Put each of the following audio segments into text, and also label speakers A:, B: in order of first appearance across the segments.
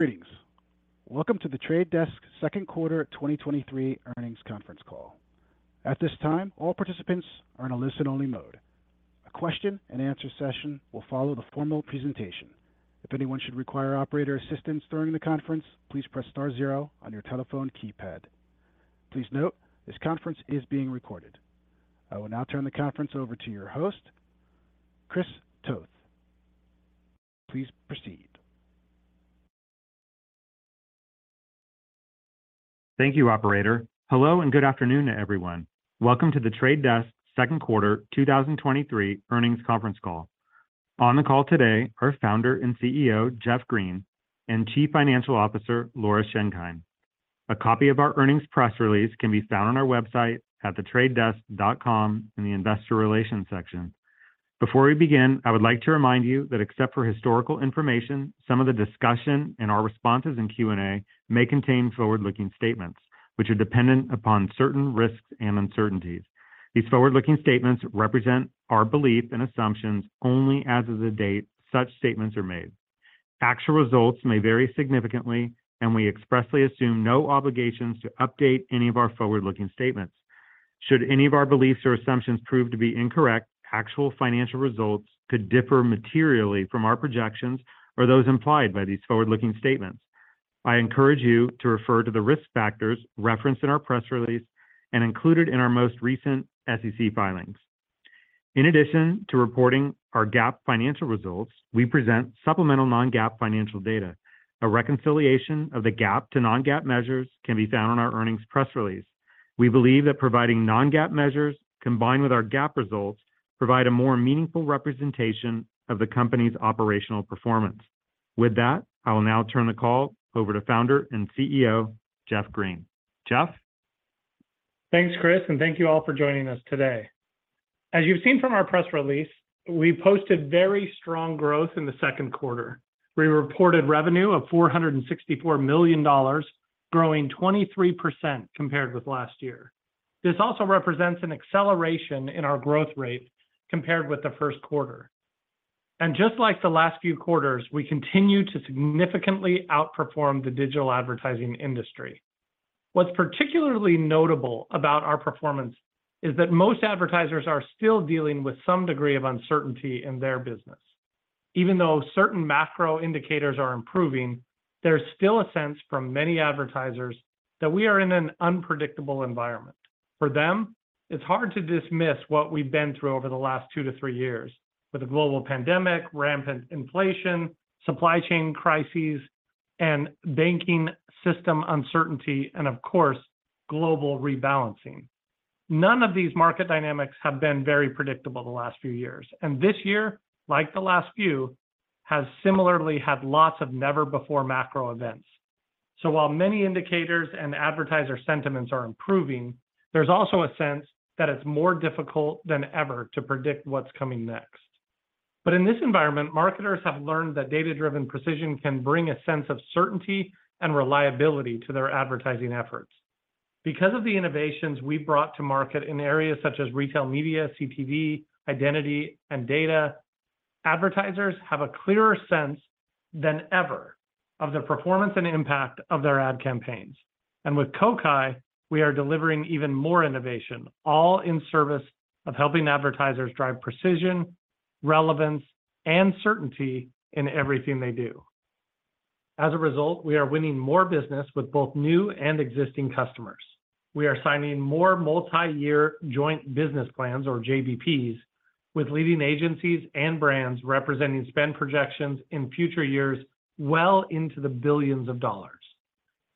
A: Greetings. Welcome to The Trade Desk second quarter 2023 earnings conference call. At this time, all participants are in a listen-only mode. A question and answer session will follow the formal presentation. If anyone should require operator assistance during the conference, please press star zero on your telephone keypad. Please note, this conference is being recorded. I will now turn the conference over to your host, Chris Toth. Please proceed.
B: Thank you, operator. Hello, and good afternoon to everyone. Welcome to The Trade Desk second quarter 2023 earnings conference call. On the call today are Founder and CEO, Jeff Green, and Chief Financial Officer, Laura Schenkein. A copy of our earnings press release can be found on our website at thetradedesk.com in the Investor Relations section. Before we begin, I would like to remind you that except for historical information, some of the discussion and our responses in Q&A may contain forward-looking statements, which are dependent upon certain risks and uncertainties. These forward-looking statements represent our belief and assumptions only as of the date such statements are made. Actual results may vary significantly, and we expressly assume no obligations to update any of our forward-looking statements. Should any of our beliefs or assumptions prove to be incorrect, actual financial results could differ materially from our projections or those implied by these forward-looking statements. I encourage you to refer to the risk factors referenced in our press release and included in our most recent SEC filings. In addition to reporting our GAAP financial results, we present supplemental non-GAAP financial data. A reconciliation of the GAAP to non-GAAP measures can be found on our earnings press release. We believe that providing non-GAAP measures, combined with our GAAP results, provide a more meaningful representation of the company's operational performance. With that, I will now turn the call over to founder and CEO, Jeff Green. Jeff?
C: Thanks, Chris, and thank you all for joining us today. As you've seen from our press release, we posted very strong growth in the second quarter. We reported revenue of $464 million, growing 23% compared with last year. This also represents an acceleration in our growth rate compared with the first quarter. Just like the last few quarters, we continue to significantly outperform the digital advertising industry. What's particularly notable about our performance is that most advertisers are still dealing with some degree of uncertainty in their business. Even though certain macro indicators are improving, there's still a sense from many advertisers that we are in an unpredictable environment. For them, it's hard to dismiss what we've been through over the last 2-3 years with a global pandemic, rampant inflation, supply chain crises, and banking system uncertainty, and of course, global rebalancing. None of these market dynamics have been very predictable the last few years. This year, like the last few, has similarly had lots of never-before macro events. While many indicators and advertiser sentiments are improving, there's also a sense that it's more difficult than ever to predict what's coming next. In this environment, marketers have learned that data-driven precision can bring a sense of certainty and reliability to their advertising efforts. Because of the innovations we've brought to market in areas such as retail media, CTV, identity, and data, advertisers have a clearer sense than ever of the performance and impact of their ad campaigns. With Kokai, we are delivering even more innovation, all in service of helping advertisers drive precision, relevance, and certainty in everything they do. As a result, we are winning more business with both new and existing customers. We are signing more multi-year Joint Business Plans, or JBPs, with leading agencies and brands representing spend projections in future years well into the billions of dollars.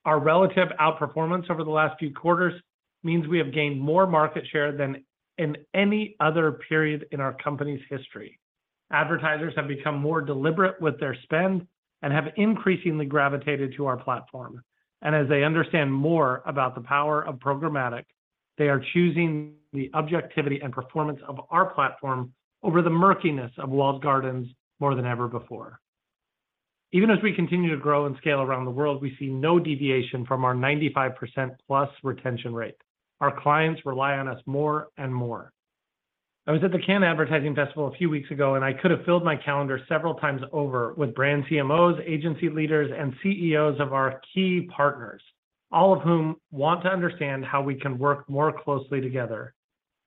C: Our relative outperformance over the last few quarters means we have gained more market share than in any other period in our company's history. Advertisers have become more deliberate with their spend and have increasingly gravitated to our platform. As they understand more about the power of programmatic, they are choosing the objectivity and performance of our platform over the murkiness of walled gardens more than ever before. Even as we continue to grow and scale around the world, we see no deviation from our 95%+ retention rate. Our clients rely on us more and more. I was at the Cannes Advertising Festival a few weeks ago, and I could have filled my calendar several times over with brand CMOs, agency leaders, and CEOs of our key partners, all of whom want to understand how we can work more closely together.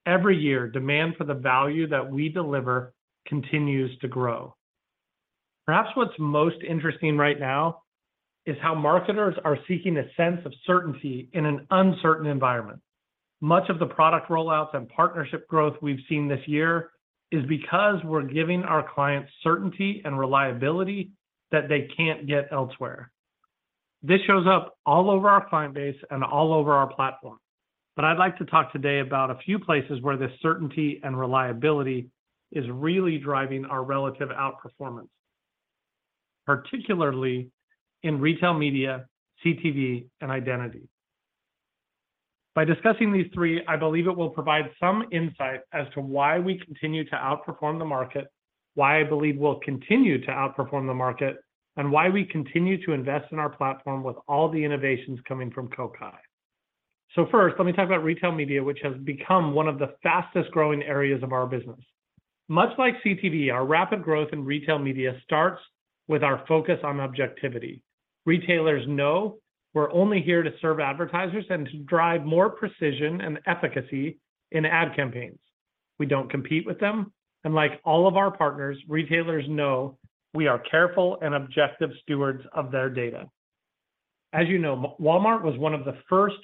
C: Every year, demand for the value that we deliver continues to grow. Perhaps what's most interesting right now is how marketers are seeking a sense of certainty in an uncertain environment. Much of the product rollouts and partnership growth we've seen this year is because we're giving our clients certainty and reliability that they can't get elsewhere. This shows up all over our client base and all over our platform, but I'd like to talk today about a few places where this certainty and reliability is really driving our relative outperformance, particularly in retail media, CTV, and identity. By discussing these three, I believe it will provide some insight as to why we continue to outperform the market, why I believe we'll continue to outperform the market, and why we continue to invest in our platform with all the innovations coming from Kokai. First, let me talk about retail media, which has become one of the fastest-growing areas of our business. Much like CTV, our rapid growth in retail media starts with our focus on objectivity. Retailers know we're only here to serve advertisers and to drive more precision and efficacy in ad campaigns. We don't compete with them, and like all of our partners, retailers know we are careful and objective stewards of their data. As you know, Walmart was one of the first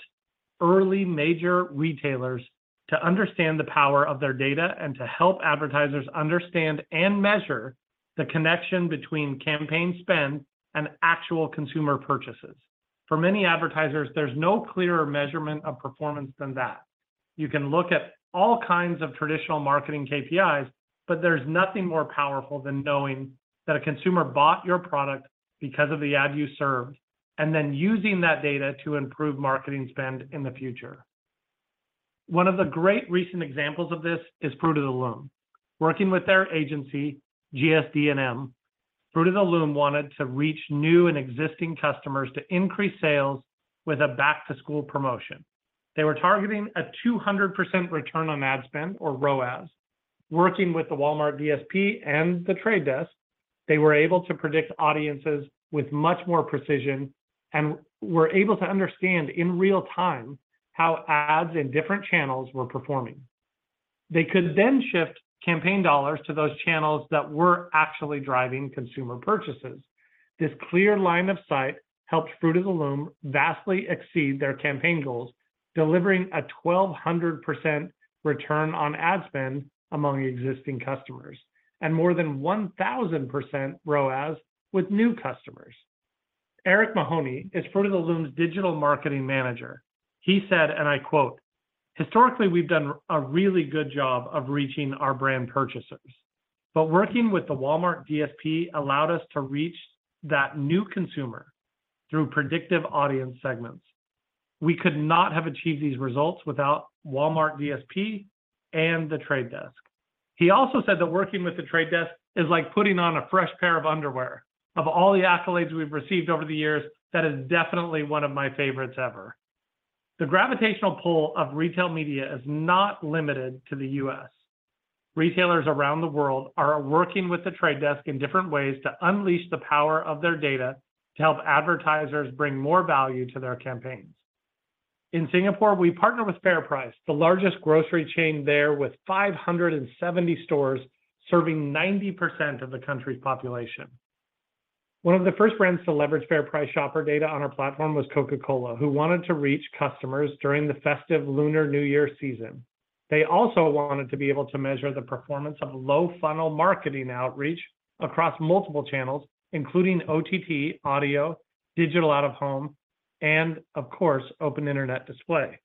C: early major retailers to understand the power of their data and to help advertisers understand and measure the connection between campaign spend and actual consumer purchases. For many advertisers, there's no clearer measurement of performance than that. You can look at all kinds of traditional marketing KPIs, but there's nothing more powerful than knowing that a consumer bought your product because of the ad you served, and then using that data to improve marketing spend in the future. One of the great recent examples of this is Fruit of the Loom. Working with their agency, GSD&M, Fruit of the Loom wanted to reach new and existing customers to increase sales with a back-to-school promotion. They were targeting a 200% return on ad spend or ROAS. Working with the Walmart DSP and The Trade Desk, they were able to predict audiences with much more precision and were able to understand in real time how ads in different channels were performing. They could shift campaign $ to those channels that were actually driving consumer purchases. This clear line of sight helped Fruit of the Loom vastly exceed their campaign goals, delivering a 1,200% return on ad spend among existing customers and more than 1,000% ROAS with new customers. Eric Mahoney is Fruit of the Loom's digital marketing manager. He said, and I quote, "Historically, we've done a really good job of reaching our brand purchasers, but working with the Walmart DSP allowed us to reach that new consumer through predictive audience segments. We could not have achieved these results without Walmart DSP and The Trade Desk." He also said that working with The Trade Desk is like putting on a fresh pair of underwear. Of all the accolades we've received over the years, that is definitely one of my favorites ever. The gravitational pull of retail media is not limited to the U.S. Retailers around the world are working with The Trade Desk in different ways to unleash the power of their data to help advertisers bring more value to their campaigns. In Singapore, we partner with FairPrice, the largest grocery chain there, with 570 stores serving 90% of the country's population. One of the first brands to leverage FairPrice shopper data on our platform was Coca-Cola, who wanted to reach customers during the festive Lunar New Year season. They also wanted to be able to measure the performance of low-funnel marketing outreach across multiple channels, including OTT, audio, digital out of home, and of course, open internet display.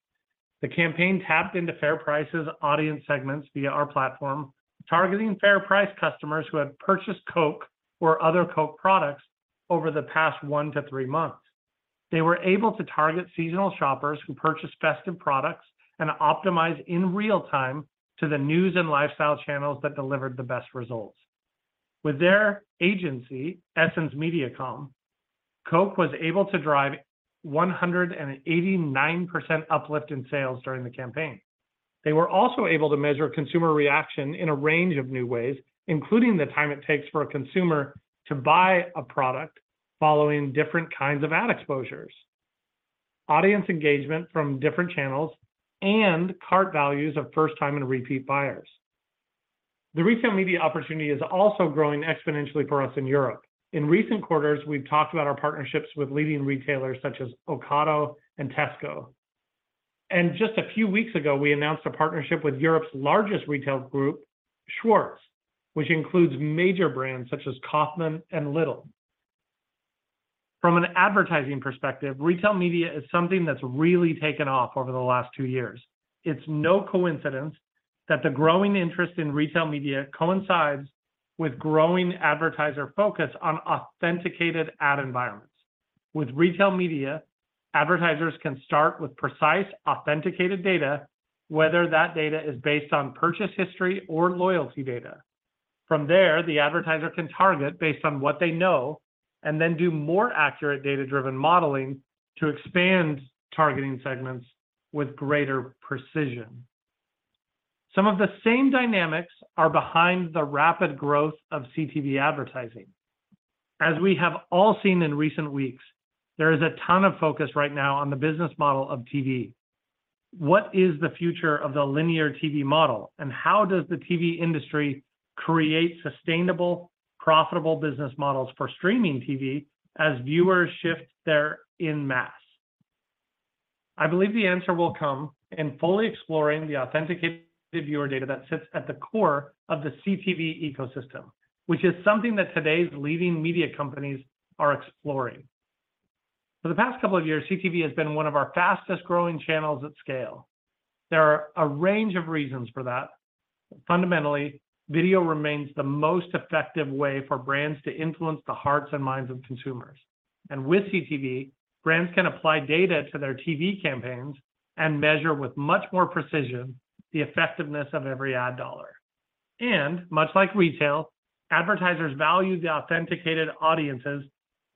C: The campaign tapped into FairPrice's audience segments via our platform, targeting FairPrice customers who had purchased Coke or other Coke products over the past 1-3 months. They were able to target seasonal shoppers who purchased festive products and optimize in real time to the news and lifestyle channels that delivered the best results. With their agency, EssenceMediacom, Coke was able to drive 189% uplift in sales during the campaign. They were also able to measure consumer reaction in a range of new ways, including the time it takes for a consumer to buy a product following different kinds of ad exposures, audience engagement from different channels, and cart values of first-time and repeat buyers. The retail media opportunity is also growing exponentially for us in Europe. In recent quarters, we've talked about our partnerships with leading retailers such as Ocado and Tesco, and just a few weeks ago, we announced a partnership with Europe's largest retail group, Schwarz, which includes major brands such as Kaufland and Lidl. From an advertising perspective, retail media is something that's really taken off over the last two years. It's no coincidence that the growing interest in retail media coincides with growing advertiser focus on authenticated ad environments. With retail media, advertisers can start with precise, authenticated data, whether that data is based on purchase history or loyalty data. From there, the advertiser can target based on what they know and then do more accurate data-driven modeling to expand targeting segments with greater precision. Some of the same dynamics are behind the rapid growth of CTV advertising. As we have all seen in recent weeks, there is a ton of focus right now on the business model of TV. What is the future of the linear TV model, and how does the TV industry create sustainable, profitable business models for streaming TV as viewers shift there in mass? I believe the answer will come in fully exploring the authenticated viewer data that sits at the core of the CTV ecosystem, which is something that today's leading media companies are exploring. For the past couple of years, CTV has been one of our fastest-growing channels at scale. There are a range of reasons for that. Fundamentally, video remains the most effective way for brands to influence the hearts and minds of consumers. With CTV, brands can apply data to their TV campaigns and measure with much more precision the effectiveness of every ad dollar. Much like retail, advertisers value the authenticated audiences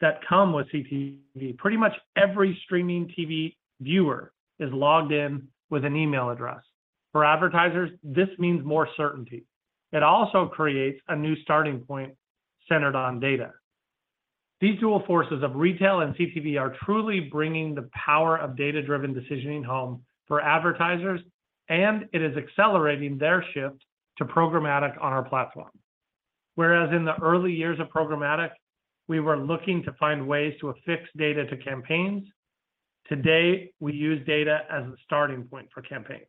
C: that come with CTV. Pretty much every streaming TV viewer is logged in with an email address. For advertisers, this means more certainty. It also creates a new starting point centered on data. These dual forces of retail and CTV are truly bringing the power of data-driven decisioning home for advertisers, and it is accelerating their shift to programmatic on our platform. Whereas in the early years of programmatic, we were looking to find ways to affix data to campaigns, today, we use data as a starting point for campaigns.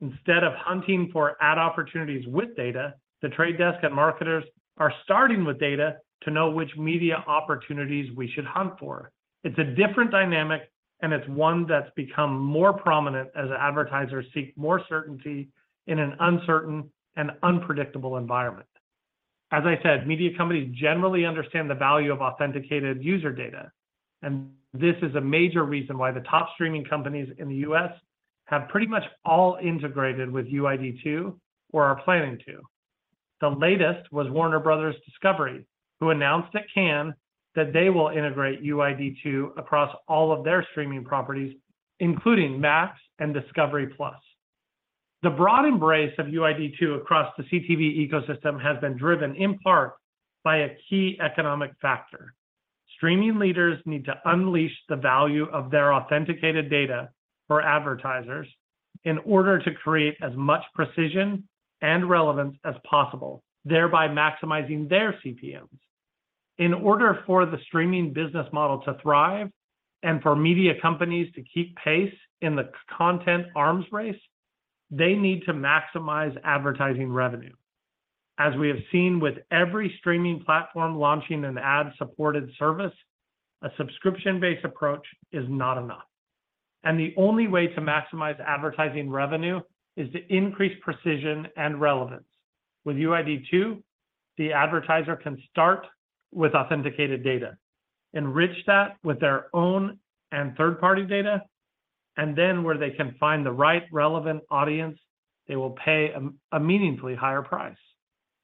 C: Instead of hunting for ad opportunities with data, The Trade Desk and marketers are starting with data to know which media opportunities we should hunt for. It's a different dynamic, and it's one that's become more prominent as advertisers seek more certainty in an uncertain and unpredictable environment. As I said, media companies generally understand the value of authenticated user data, and this is a major reason why the top streaming companies in the U.S. have pretty much all integrated with UID 2.0 or are planning to. The latest was Warner Brothers Discovery, who announced at Cannes that they will integrate UID 2.0 across all of their streaming properties, including Max and Discovery+. The broad embrace of UID 2.0 across the CTV ecosystem has been driven in part by a key economic factor. Streaming leaders need to unleash the value of their authenticated data for advertisers in order to create as much precision and relevance as possible, thereby maximizing their CPMs. In order for the streaming business model to thrive and for media companies to keep pace in the content arms race, they need to maximize advertising revenue. As we have seen with every streaming platform launching an ad-supported service, a subscription-based approach is not enough, and the only way to maximize advertising revenue is to increase precision and relevance. With UID 2.0, the advertiser can start with authenticated data, enrich that with their own and third-party data, and then where they can find the right relevant audience, they will pay a meaningfully higher price.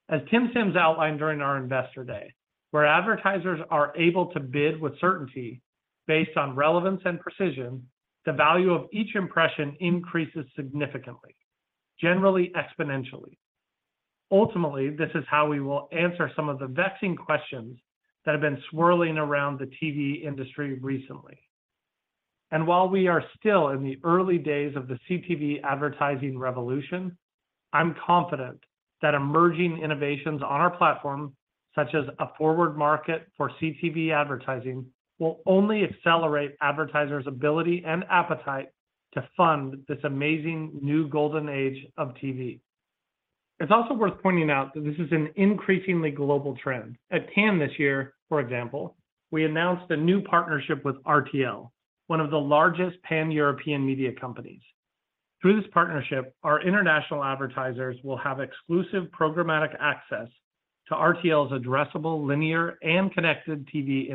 C: As Tim Sims outlined during our Investor Day, where advertisers are able to bid with certainty based on relevance and precision, the value of each impression increases significantly, generally exponentially. Ultimately, this is how we will answer some of the vexing questions that have been swirling around the TV industry recently. While we are still in the early days of the CTV advertising revolution, I'm confident that emerging innovations on our platform, such as a forward market for CTV advertising, will only accelerate advertisers' ability and appetite to fund this amazing new golden age of TV. It's also worth pointing out that this is an increasingly global trend. At Cannes this year, for example, we announced a new partnership with RTL, one of the largest Pan-European media companies. Through this partnership, our international advertisers will have exclusive programmatic access to RTL's addressable, linear, and connected TV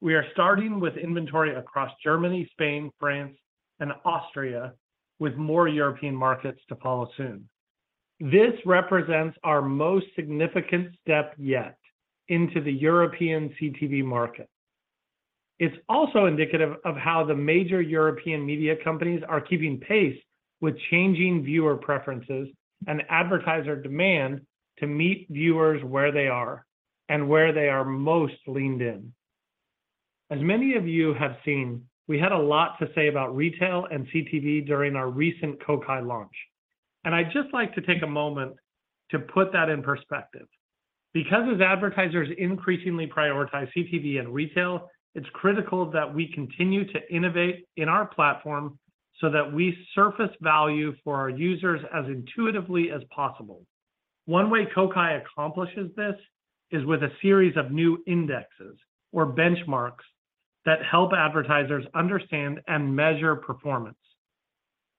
C: inventory. We are starting with inventory across Germany, Spain, France, and Austria, with more European markets to follow soon. This represents our most significant step yet into the European CTV market. It's also indicative of how the major European media companies are keeping pace with changing viewer preferences and advertiser demand to meet viewers where they are and where they are most leaned in. As many of you have seen, we had a lot to say about retail and CTV during our recent Kokai launch. I'd just like to take a moment to put that in perspective. As advertisers increasingly prioritize CTV and retail, it's critical that we continue to innovate in our platform so that we surface value for our users as intuitively as possible. One way Kokai accomplishes this is with a series of new indexes or benchmarks that help advertisers understand and measure performance.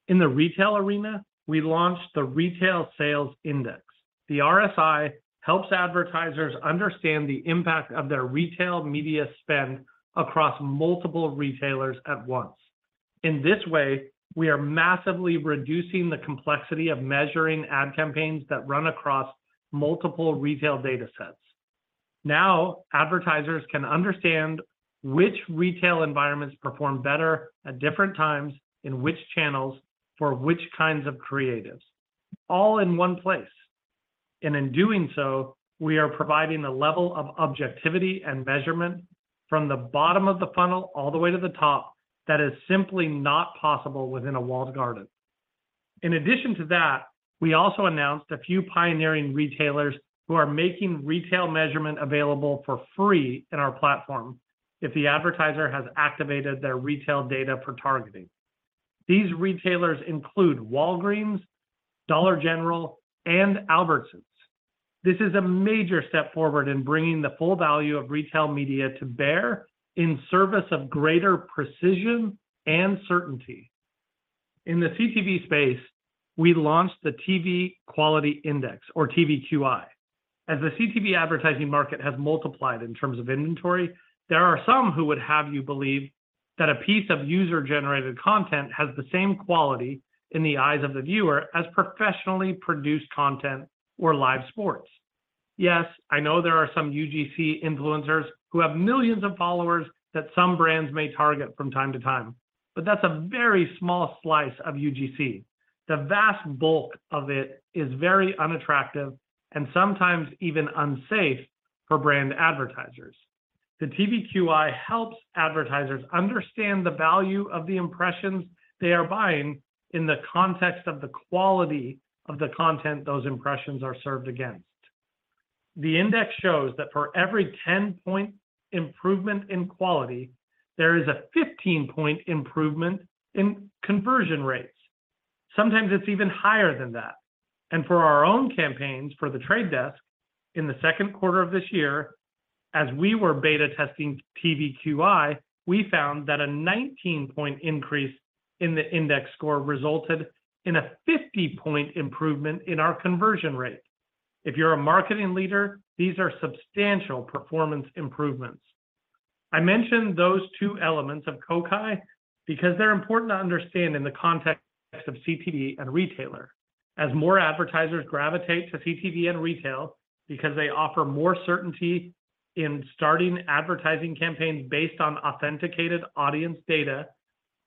C: In the retail arena, we launched the Retail Sales Index. The RSI helps advertisers understand the impact of their retail media spend across multiple retailers at once. In this way, we are massively reducing the complexity of measuring ad campaigns that run across multiple retail data sets. Now, advertisers can understand which retail environments perform better at different times, in which channels, for which kinds of creatives, all in one place. In doing so, we are providing a level of objectivity and measurement from the bottom of the funnel all the way to the top that is simply not possible within a walled garden. In addition to that, we also announced a few pioneering retailers who are making retail measurement available for free in our platform if the advertiser has activated their retail data for targeting. These retailers include Walgreens, Dollar General, and Albertsons. This is a major step forward in bringing the full value of retail media to bear in service of greater precision and certainty. In the CTV space, we launched the TV Quality Index, or TVQI. As the CTV advertising market has multiplied in terms of inventory, there are some who would have you believe that a piece of user-generated content has the same quality in the eyes of the viewer as professionally produced content or live sports. Yes, I know there are some UGC influencers who have millions of followers that some brands may target from time to time, but that's a very small slice of UGC. The vast bulk of it is very unattractive and sometimes even unsafe for brand advertisers. The TVQI helps advertisers understand the value of the impressions they are buying in the context of the quality of the content those impressions are served against. The index shows that for every 10-point improvement in quality, there is a 15-point improvement in conversion rates. Sometimes it's even higher than that, and for our own campaigns, for The Trade Desk, in the second quarter of this year, as we were beta testing TVQI, we found that a 19-point increase in the index score resulted in a 50-point improvement in our conversion rate. If you're a marketing leader, these are substantial performance improvements. I mentioned those two elements of Kokai because they're important to understand in the context of CTV and retailer. As more advertisers gravitate to CTV and retail because they offer more certainty in starting advertising campaigns based on authenticated audience data,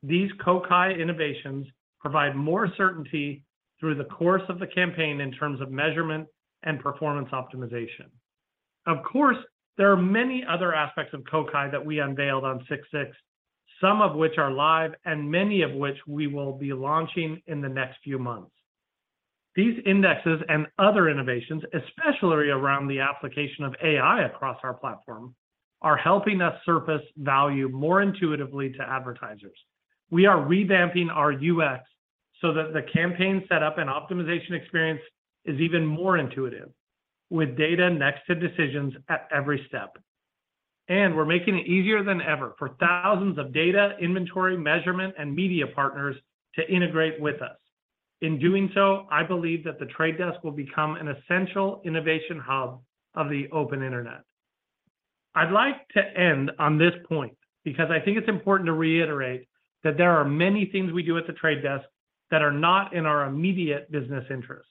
C: these Kokai innovations provide more certainty through the course of the campaign in terms of measurement and performance optimization. Of course, there are many other aspects of Kokai that we unveiled on June 6, some of which are live and many of which we will be launching in the next few months. These indexes and other innovations, especially around the application of AI across our platform, are helping us surface value more intuitively to advertisers. We are revamping our UX so that the campaign setup and optimization experience is even more intuitive, with data next to decisions at every step. We're making it easier than ever for thousands of data, inventory, measurement, and media partners to integrate with us. In doing so, I believe that The Trade Desk will become an essential innovation hub of the open internet. I'd like to end on this point, because I think it's important to reiterate that there are many things we do at The Trade Desk that are not in our immediate business interest.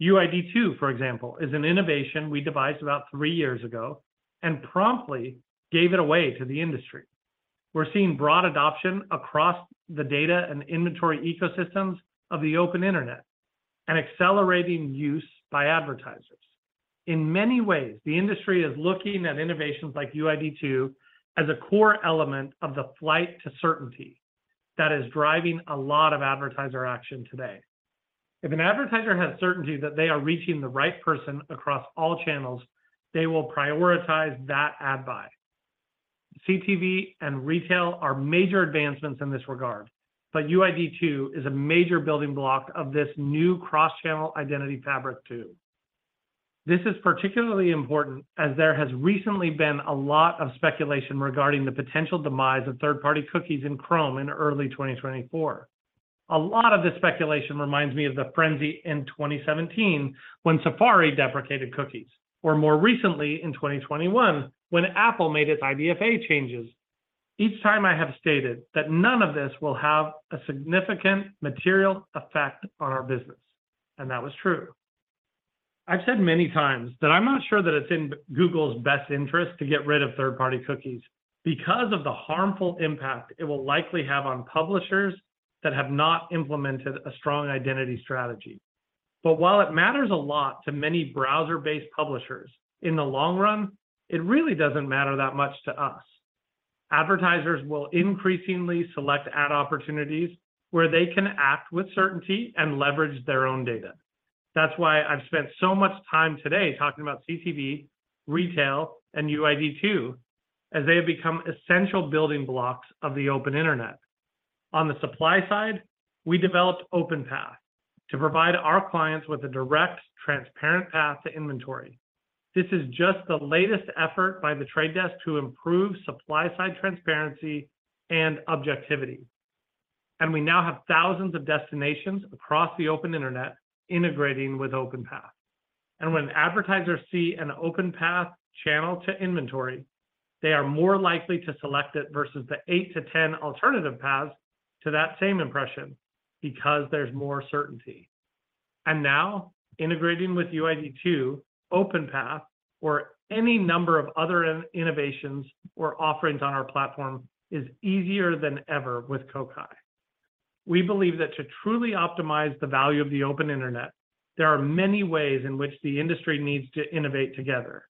C: UID 2.0, for example, is an innovation we devised about 3 years ago and promptly gave it away to the industry. We're seeing broad adoption across the data and inventory ecosystems of the open internet and accelerating use by advertisers. In many ways, the industry is looking at innovations like UID 2.0 as a core element of the flight to certainty that is driving a lot of advertiser action today. If an advertiser has certainty that they are reaching the right person across all channels, they will prioritize that ad buy. CTV and retail are major advancements in this regard, but UID 2.0 is a major building block of this new cross-channel identity fabric, too. This is particularly important as there has recently been a lot of speculation regarding the potential demise of third-party cookies in Chrome in early 2024. A lot of this speculation reminds me of the frenzy in 2017 when Safari deprecated cookies, or more recently in 2021, when Apple made its IDFA changes. Each time I have stated that none of this will have a significant material effect on our business, and that was true. I've said many times that I'm not sure that it's in Google's best interest to get rid of third-party cookies because of the harmful impact it will likely have on publishers that have not implemented a strong identity strategy. While it matters a lot to many browser-based publishers, in the long run, it really doesn't matter that much to us. Advertisers will increasingly select ad opportunities where they can act with certainty and leverage their own data. That's why I've spent so much time today talking about CTV, retail, and UID 2.0, as they have become essential building blocks of the open internet. On the supply side, we developed OpenPath to provide our clients with a direct, transparent path to inventory. This is just the latest effort by The Trade Desk to improve supply-side transparency and objectivity. We now have thousands of destinations across the open internet integrating with OpenPath. When advertisers see an OpenPath channel to inventory, they are more likely to select it versus the 8-10 alternative paths to that same impression, because there's more certainty. Now, integrating with Unified ID 2.0, OpenPath or any number of other innovations or offerings on our platform is easier than ever with Kokai. We believe that to truly optimize the value of the open internet, there are many ways in which the industry needs to innovate together,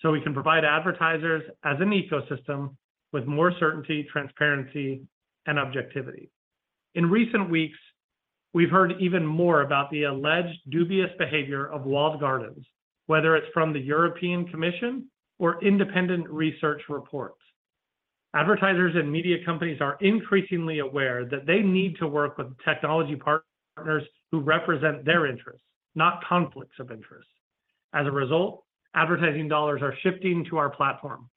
C: so we can provide advertisers, as an ecosystem, with more certainty, transparency, and objectivity. In recent weeks, we've heard even more about the alleged dubious behavior of walled gardens, whether it's from the European Commission or independent research reports. Advertisers and media companies are increasingly aware that they need to work with technology partners who represent their interests, not conflicts of interest. As a result, advertising dollars are shifting to our platform.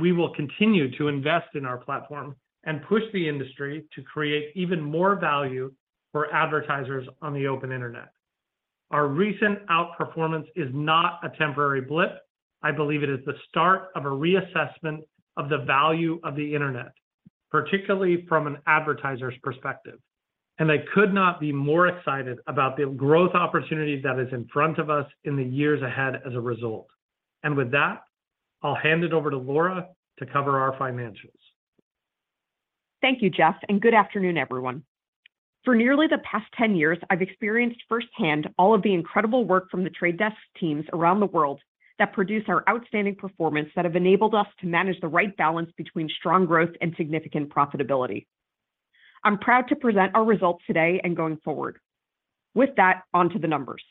C: We will continue to invest in our platform and push the industry to create even more value for advertisers on the open internet. Our recent outperformance is not a temporary blip, I believe it is the start of a reassessment of the value of the internet, particularly from an advertiser's perspective, and I could not be more excited about the growth opportunity that is in front of us in the years ahead as a result. With that, I'll hand it over to Laura to cover our financials.
D: Thank you, Jeff. Good afternoon, everyone. For nearly the past 10 years, I've experienced firsthand all of the incredible work from The Trade Desk teams around the world that produce our outstanding performance that have enabled us to manage the right balance between strong growth and significant profitability. I'm proud to present our results today and going forward. With that, onto the numbers.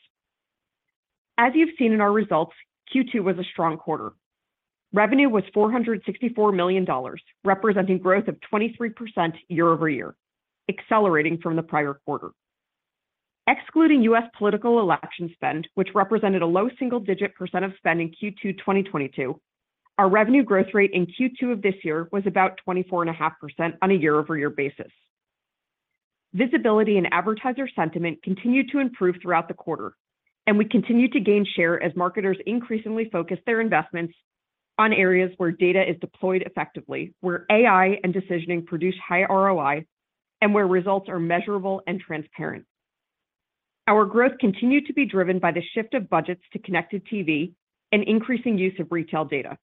D: As you've seen in our results, Q2 was a strong quarter. Revenue was $464 million, representing growth of 23% year-over-year, accelerating from the prior quarter. Excluding U.S. political election spend, which represented a low single-digit percent of spend in Q2 2022, our revenue growth rate in Q2 of this year was about 24.5% on a year-over-year basis. Visibility and advertiser sentiment continued to improve throughout the quarter. We continued to gain share as marketers increasingly focus their investments on areas where data is deployed effectively, where AI and decisioning produce high ROI, and where results are measurable and transparent. Our growth continued to be driven by the shift of budgets to connected TV and increasing use of retail data.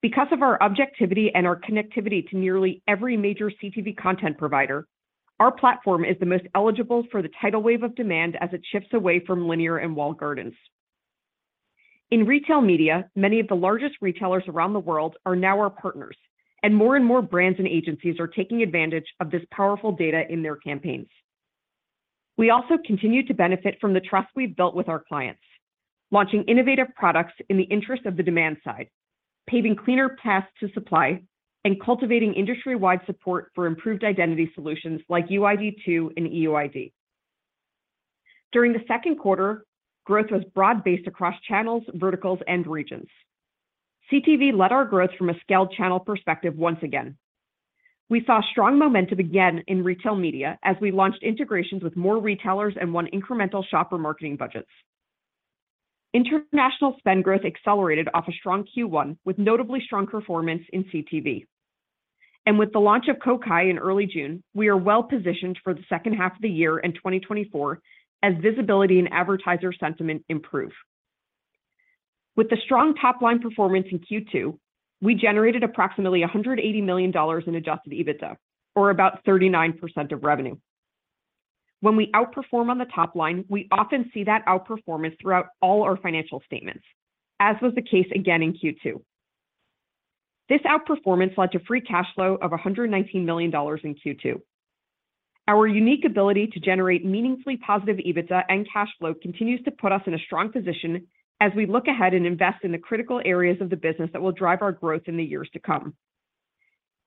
D: Because of our objectivity and our connectivity to nearly every major CTV content provider, our platform is the most eligible for the tidal wave of demand as it shifts away from linear and walled gardens. In retail media, many of the largest retailers around the world are now our partners. More and more brands and agencies are taking advantage of this powerful data in their campaigns. We also continue to benefit from the trust we've built with our clients, launching innovative products in the interest of the demand side, paving cleaner paths to supply, and cultivating industry-wide support for improved identity solutions like UID 2.0 and EUID. During the second quarter, growth was broad-based across channels, verticals, and regions. CTV led our growth from a scaled channel perspective once again. We saw strong momentum again in retail media as we launched integrations with more retailers and won incremental shopper marketing budgets. International spend growth accelerated off a strong Q1, with notably strong performance in CTV. With the launch of Kokai in early June, we are well positioned for the second half of the year and 2024 as visibility and advertiser sentiment improve. With the strong top-line performance in Q2, we generated approximately $180 million in adjusted EBITDA, or about 39% of revenue. When we outperform on the top line, we often see that outperformance throughout all our financial statements, as was the case again in Q2. This outperformance led to free cash flow of $119 million in Q2. Our unique ability to generate meaningfully positive EBITDA and cash flow continues to put us in a strong position as we look ahead and invest in the critical areas of the business that will drive our growth in the years to come.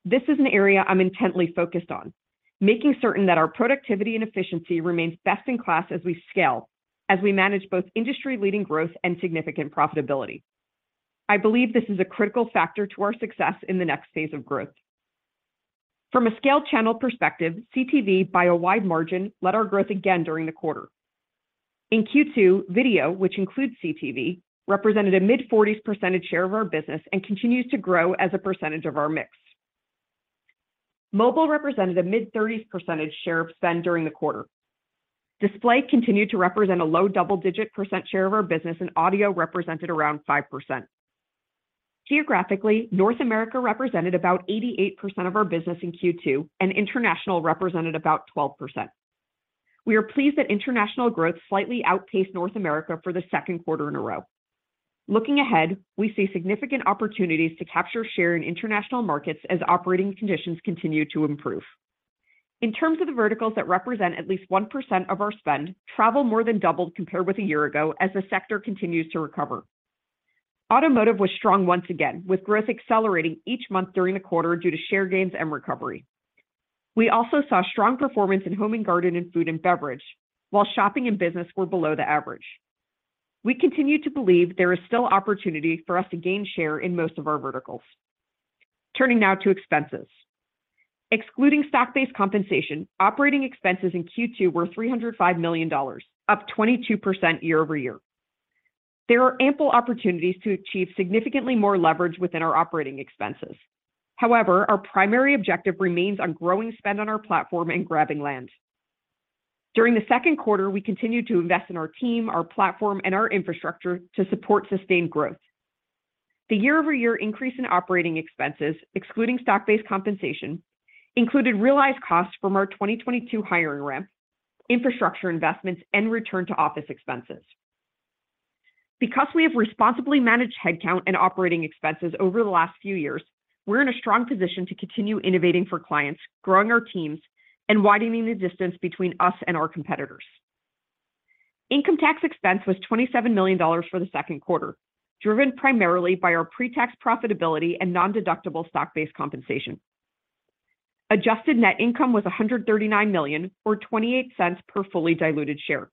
D: This is an area I'm intently focused on, making certain that our productivity and efficiency remains best-in-class as we scale, as we manage both industry-leading growth and significant profitability. I believe this is a critical factor to our success in the next phase of growth. From a scale channel perspective, CTV, by a wide margin, led our growth again during the quarter. In Q2, video, which includes CTV, represented a mid-40s percent share of our business and continues to grow as a percentage of our mix. Mobile represented a mid-30s percent share of spend during the quarter. Display continued to represent a low double-digit percent share of our business, and audio represented around 5%. Geographically, North America represented about 88% of our business in Q2, and international represented about 12%. We are pleased that international growth slightly outpaced North America for the second quarter in a row. Looking ahead, we see significant opportunities to capture share in international markets as operating conditions continue to improve. In terms of the verticals that represent at least 1% of our spend, travel more than doubled compared with a year ago as the sector continues to recover. Automotive was strong once again, with growth accelerating each month during the quarter due to share gains and recovery. We also saw strong performance in home and garden and food and beverage, while shopping and business were below the average. We continue to believe there is still opportunity for us to gain share in most of our verticals. Turning now to expenses. Excluding stock-based compensation, operating expenses in Q2 were $305 million, up 22% year-over-year. There are ample opportunities to achieve significantly more leverage within our operating expenses. Our primary objective remains on growing spend on our platform and grabbing land. During the second quarter, we continued to invest in our team, our platform, and our infrastructure to support sustained growth. The year-over-year increase in operating expenses, excluding stock-based compensation, included realized costs from our 2022 hiring ramp, infrastructure investments, and return to office expenses. Because we have responsibly managed headcount and operating expenses over the last few years, we're in a strong position to continue innovating for clients, growing our teams, and widening the distance between us and our competitors. Income tax expense was $27 million for the second quarter, driven primarily by our pre-tax profitability and nondeductible stock-based compensation. Adjusted net income was $139 million, or $0.28 per fully diluted share.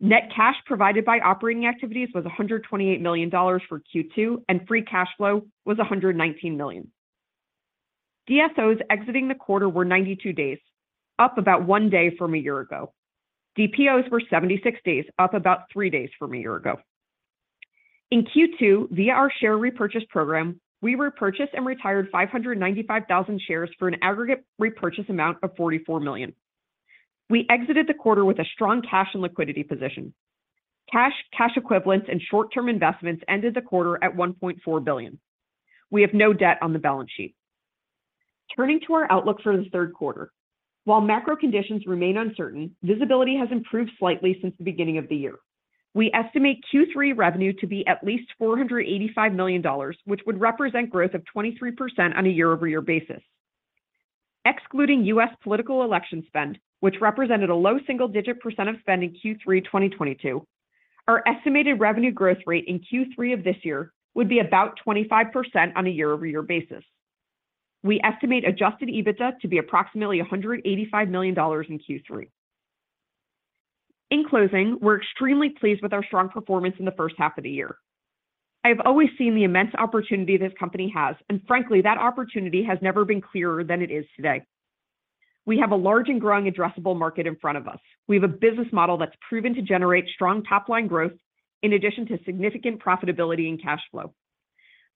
D: Net cash provided by operating activities was $128 million for Q2, and free cash flow was $119 million. DSOs exiting the quarter were 92 days, up about 1 day from a year ago. DPOs were 76 days, up about 3 days from a year ago. In Q2, via our share repurchase program, we repurchased and retired 595,000 shares for an aggregate repurchase amount of $44 million. We exited the quarter with a strong cash and liquidity position. Cash, cash equivalents, and short-term investments ended the quarter at $1.4 billion. We have no debt on the balance sheet. Turning to our outlook for the third quarter, while macro conditions remain uncertain, visibility has improved slightly since the beginning of the year. We estimate Q3 revenue to be at least $485 million, which would represent growth of 23% on a year-over-year basis. Excluding U.S. political election spend, which represented a low single-digit percent of spend in Q3 2022, our estimated revenue growth rate in Q3 of this year would be about 25% on a year-over-year basis. We estimate adjusted EBITDA to be approximately $185 million in Q3. In closing, we're extremely pleased with our strong performance in the first half of the year. I have always seen the immense opportunity this company has. Frankly, that opportunity has never been clearer than it is today. We have a large and growing addressable market in front of us. We have a business model that's proven to generate strong top-line growth, in addition to significant profitability and cash flow.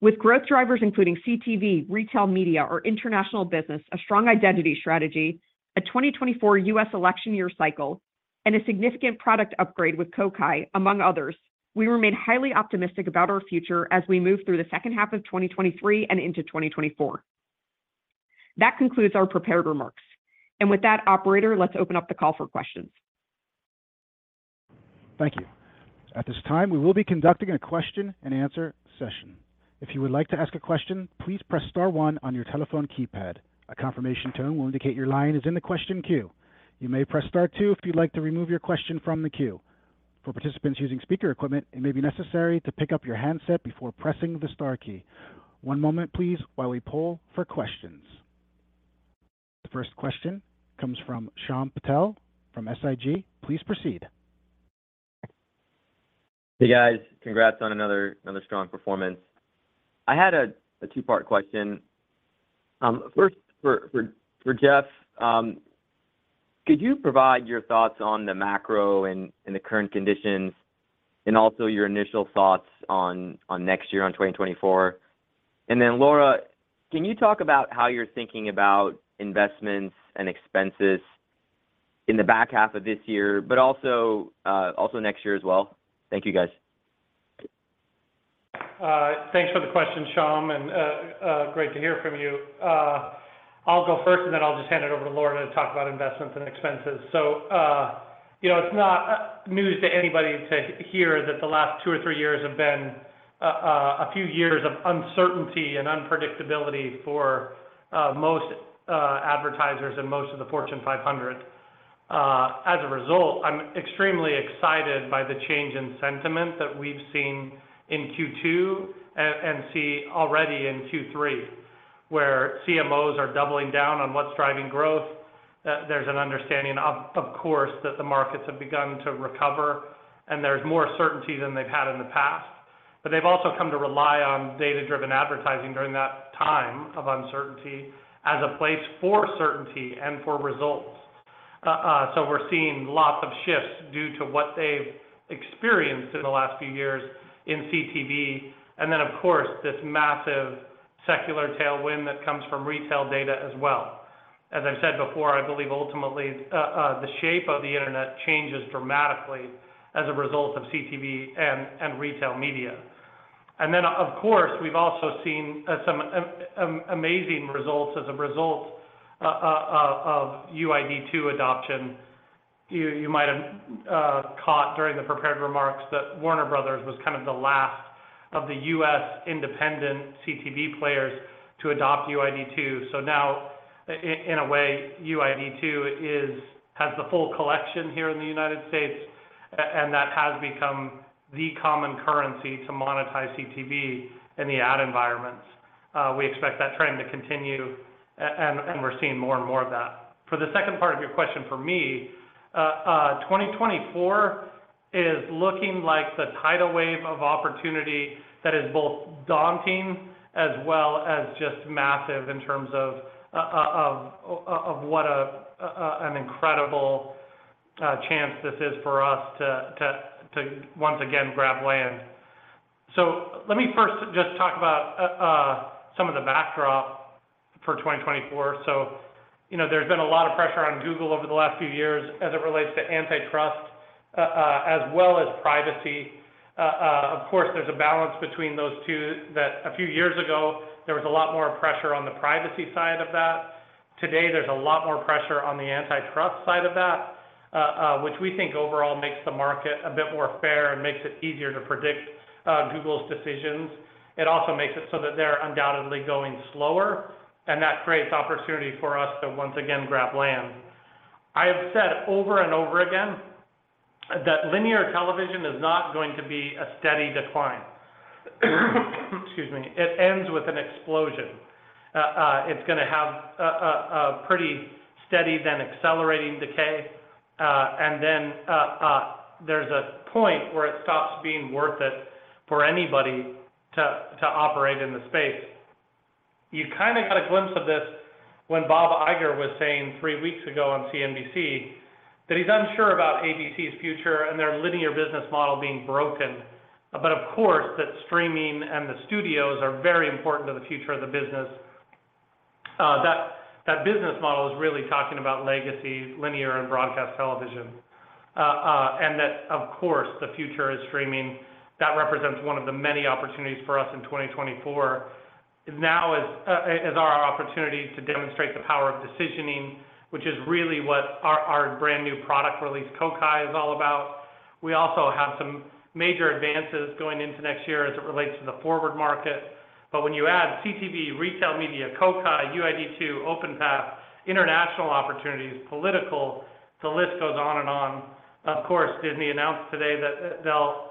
D: With growth drivers, including CTV, retail media, our international business, a strong identity strategy, a 2024 U.S. election year cycle, and a significant product upgrade with Kokai, among others, we remain highly optimistic about our future as we move through the second half of 2023 and into 2024. That concludes our prepared remarks. With that, operator, let's open up the call for questions.
A: Thank you. At this time, we will be conducting a question and answer session. If you would like to ask a question, please press star one on your telephone keypad. A confirmation tone will indicate your line is in the question queue. You may press star two if you'd like to remove your question from the queue. For participants using speaker equipment, it may be necessary to pick up your handset before pressing the star key. one moment, please, while we pull for questions. The first question comes from Shyam Patil from SIG. Please proceed.
E: Hey, guys. Congrats on another, another strong performance. I had a two-part question. First, for Jeff, could you provide your thoughts on the macro and the current conditions, and also your initial thoughts on next year, on 2024? Then, Laura, can you talk about how you're thinking about investments and expenses in the back half of this year, but also next year as well? Thank you, guys.
C: Thanks for the question, Shyam, and great to hear from you. I'll go first, and then I'll just hand it over to Laura to talk about investments and expenses. You know, it's not news to anybody to hear that the last two or three years have been a few years of uncertainty and unpredictability for most advertisers and most of the Fortune 500. As a result, I'm extremely excited by the change in sentiment that we've seen in Q2 and see already in Q3, where CMOs are doubling down on what's driving growth. There's an understanding, of course, that the markets have begun to recover, and there's more certainty than they've had in the past. They've also come to rely on data-driven advertising during that time of uncertainty as a place for certainty and for results. So we're seeing lots of shifts due to what they've experienced in the last few years in CTV, and then, of course, this massive secular tailwind that comes from retail data as well. As I've said before, I believe ultimately, the shape of the internet changes dramatically as a result of CTV and, and retail media. Then, of course, we've also seen some amazing results as a result of UID 2.0 adoption. You, you might have caught during the prepared remarks that Warner Brothers was kind of the last of the U.S. independent CTV players to adopt UID 2.0. Now, in a way, UID 2.0 has the full collection here in the U.S., and that has become the common currency to monetize CTV in the ad environments. We expect that trend to continue, and, and we're seeing more and more of that. For the second part of your question for me, 2024 is looking like the tidal wave of opportunity that is both daunting as well as just massive in terms of, of what an incredible chance this is for us to once again, grab land. Let me first just talk about some of the backdrop for 2024. You know, there's been a lot of pressure on Google over the last few years as it relates to antitrust, as well as privacy. Of course, there's a balance between those two, that a few years ago, there was a lot more pressure on the privacy side of that. Today, there's a lot more pressure on the antitrust side of that, which we think overall makes the market a bit more fair and makes it easier to predict Google's decisions. It also makes it so that they're undoubtedly going slower, and that creates opportunity for us to once again, grab land. I have said over and over again. That linear television is not going to be a steady decline. Excuse me. It ends with an explosion. It's gonna have a pretty steady then accelerating decay, and then there's a point where it stops being worth it for anybody to operate in the space. You kind of got a glimpse of this when Bob Iger was saying three weeks ago on CNBC that he's unsure about ABC's future and their linear business model being broken, of course, that streaming and the studios are very important to the future of the business. That, that business model is really talking about legacy, linear and broadcast television. That, of course, the future is streaming. That represents one of the many opportunities for us in 2024. Now is, is our opportunity to demonstrate the power of decisioning, which is really what our, our brand new product release, Kokai, is all about. We also have some major advances going into next year as it relates to the forward market. When you add CTV, retail media, Kokai, UID 2.0, OpenPath, international opportunities, political, the list goes on and on. Of course, Disney announced today that they'll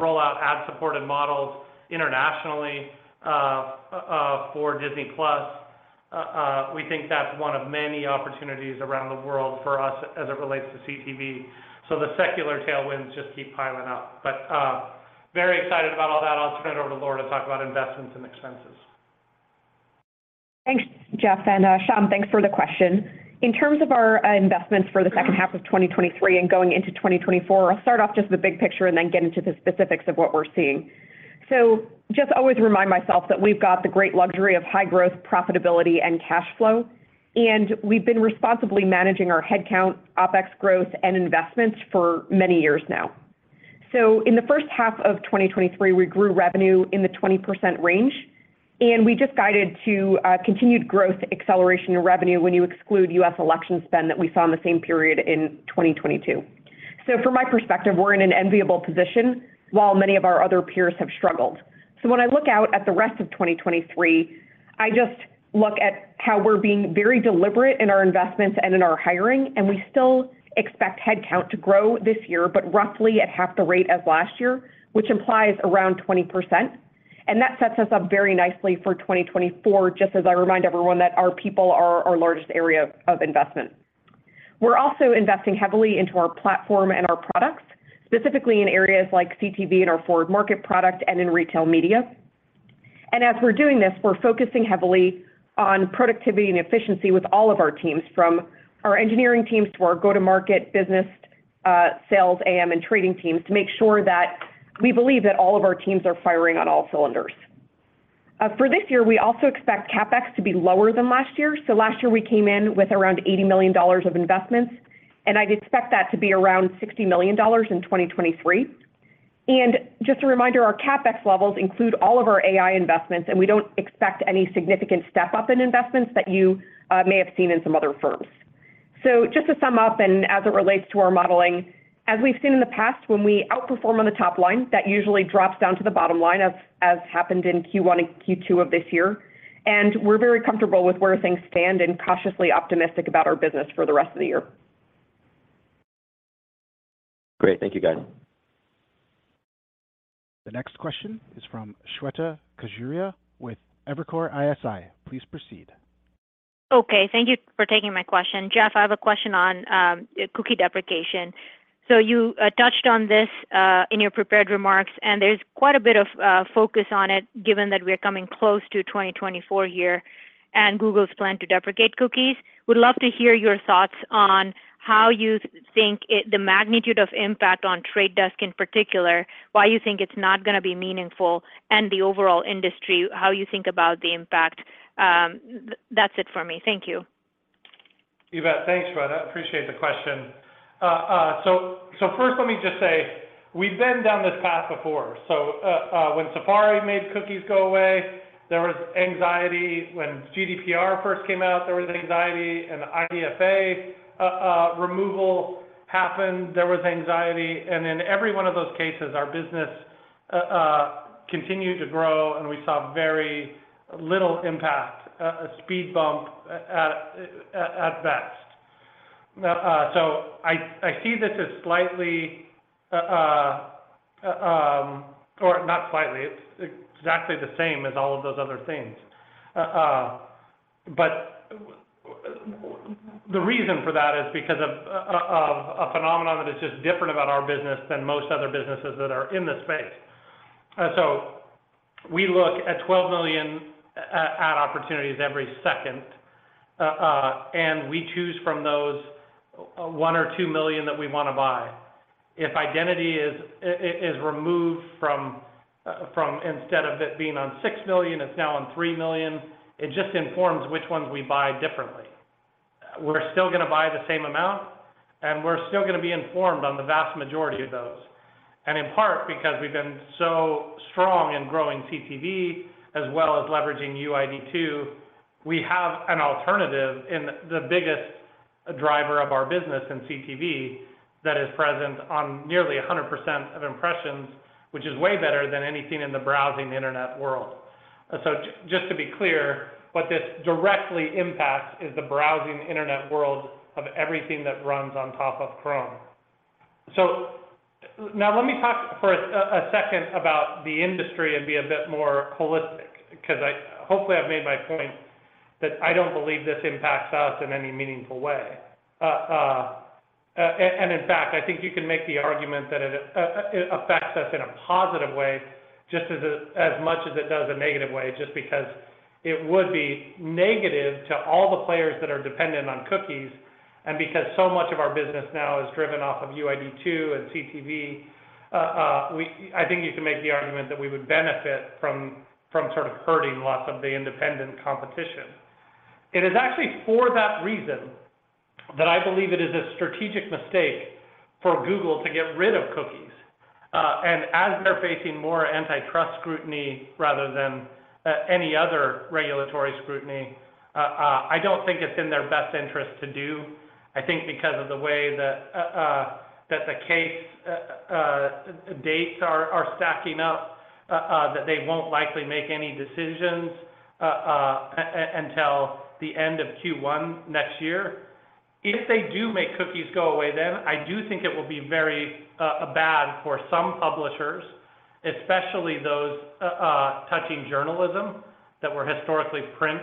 C: roll out ad-supported models internationally for Disney+. We think that's one of many opportunities around the world for us as it relates to CTV. The secular tailwinds just keep piling up. Very excited about all that. I'll turn it over to Laura to talk about investments and expenses.
D: Thanks, Jeff, and Shyam, thanks for the question. In terms of our investments for the second half of 2023 and going into 2024, I'll start off just the big picture and then get into the specifics of what we're seeing. Just always remind myself that we've got the great luxury of high growth, profitability, and cash flow, and we've been responsibly managing our headcount, OpEx growth, and investments for many years now. In the first half of 2023, we grew revenue in the 20% range, and we just guided to continued growth, acceleration, and revenue when you exclude U.S. election spend that we saw in the same period in 2022. From my perspective, we're in an enviable position, while many of our other peers have struggled. When I look out at the rest of 2023, I just look at how we're being very deliberate in our investments and in our hiring, and we still expect headcount to grow this year, but roughly at half the rate as last year, which implies around 20%. That sets us up very nicely for 2024, just as I remind everyone that our people are our largest area of investment. We're also investing heavily into our platform and our products, specifically in areas like CTV and our forward market product and in retail media. As we're doing this, we're focusing heavily on productivity and efficiency with all of our teams, from our engineering teams to our go-to-market business, sales, AM, and trading teams, to make sure that we believe that all of our teams are firing on all cylinders. For this year, we also expect CapEx to be lower than last year. Last year, we came in with around $80 million of investments, and I'd expect that to be around $60 million in 2023. Just a reminder, our CapEx levels include all of our AI investments, and we don't expect any significant step-up in investments that you may have seen in some other firms. Just to sum up, and as it relates to our modeling, as we've seen in the past, when we outperform on the top line, that usually drops down to the bottom line, as, as happened in Q1 and Q2 of this year. We're very comfortable with where things stand and cautiously optimistic about our business for the rest of the year.
E: Great. Thank you, guys.
A: The next question is from Shweta Khajuria with Evercore ISI. Please proceed.
F: Okay, thank you for taking my question. Jeff, I have a question on cookie deprecation. You touched on this in your prepared remarks, and there's quite a bit of focus on it, given that we are coming close to 2024 here and Google's plan to deprecate cookies. Would love to hear your thoughts on how you think it. The magnitude of impact on The Trade Desk in particular, why you think it's not gonna be meaningful, and the overall industry, how you think about the impact. That's it for me. Thank you.
C: You bet. Thanks, Shweta. I appreciate the question. First, let me just say, we've been down this path before. When Safari made cookies go away, there was anxiety. When GDPR first came out, there was anxiety, and IDFA removal happened, there was anxiety. In every one of those cases, our business continued to grow, and we saw very little impact, a speed bump at, at, at best. I, I see this as slightly, or not slightly, it's exactly the same as all of those other things. The reason for that is because of a phenomenon that is just different about our business than most other businesses that are in this space. We look at 12 million ad opportunities every second, and we choose from those, 1 or 2 million that we want to buy. If identity is removed from, from instead of it being on 6 million, it's now on 3 million, it just informs which ones we buy differently. We're still gonna buy the same amount, and we're still gonna be informed on the vast majority of those. And in part, because we've been so strong in growing CTV as well as leveraging UID 2.0, we have an alternative in the biggest driver of our business in CTV that is present on nearly 100% of impressions, which is way better than anything in the browsing internet world. Just to be clear, what this directly impacts is the browsing internet world of everything that runs on top of Chrome. Now let me talk for a second about the industry and be a bit more holistic, because hopefully, I've made my point that I don't believe this impacts us in any meaningful way. In fact, I think you can make the argument that it affects us in a positive way, just as much as it does a negative way, just because it would be negative to all the players that are dependent on cookies, and because so much of our business now is driven off of UID 2.0 and CTV. I think you can make the argument that we would benefit from sort of hurting lots of the independent competition. It is actually for that reason that I believe it is a strategic mistake for Google to get rid of cookies. As they're facing more antitrust scrutiny rather than any other regulatory scrutiny, I don't think it's in their best interest to do. I think because of the way that the case dates are stacking up, that they won't likely make any decisions until the end of Q1 next year. If they do make cookies go away, then I do think it will be very bad for some publishers, especially those touching journalism that were historically print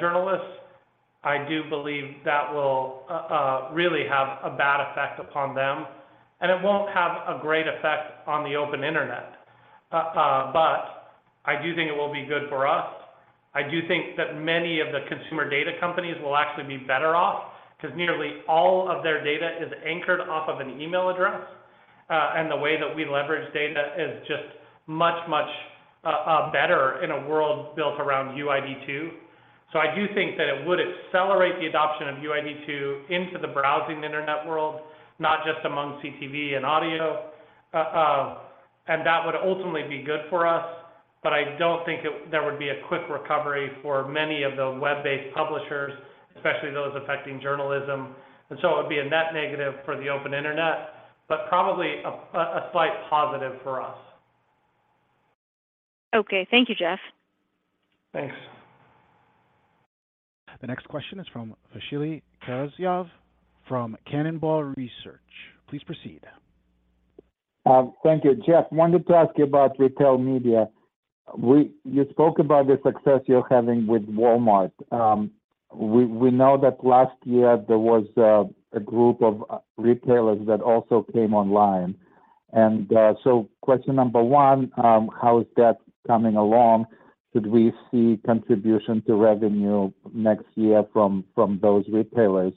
C: journalists. I do believe that will really have a bad effect upon them, and it won't have a great effect on the open internet. I do think it will be good for us. I do think that many of the consumer data companies will actually be better off, 'cause nearly all of their data is anchored off of an email address, and the way that we leverage data is just much, much better in a world built around UID 2.0. I do think that it would accelerate the adoption of UID 2.0 into the browsing internet world, not just among CTV and audio, and that would ultimately be good for us, but I don't think there would be a quick recovery for many of the web-based publishers, especially those affecting journalism. It would be a net negative for the open internet, but probably a slight positive for us.
F: Okay. Thank you, Jeff.
C: Thanks.
A: The next question is from Vasily Karasyov, from Cannonball Research. Please proceed.
G: Thank you. Jeff, wanted to ask you about retail media. You spoke about the success you're having with Walmart. We, we know that last year there was a group of retailers that also came online. Question number 1, how is that coming along? Should we see contribution to revenue next year from those retailers?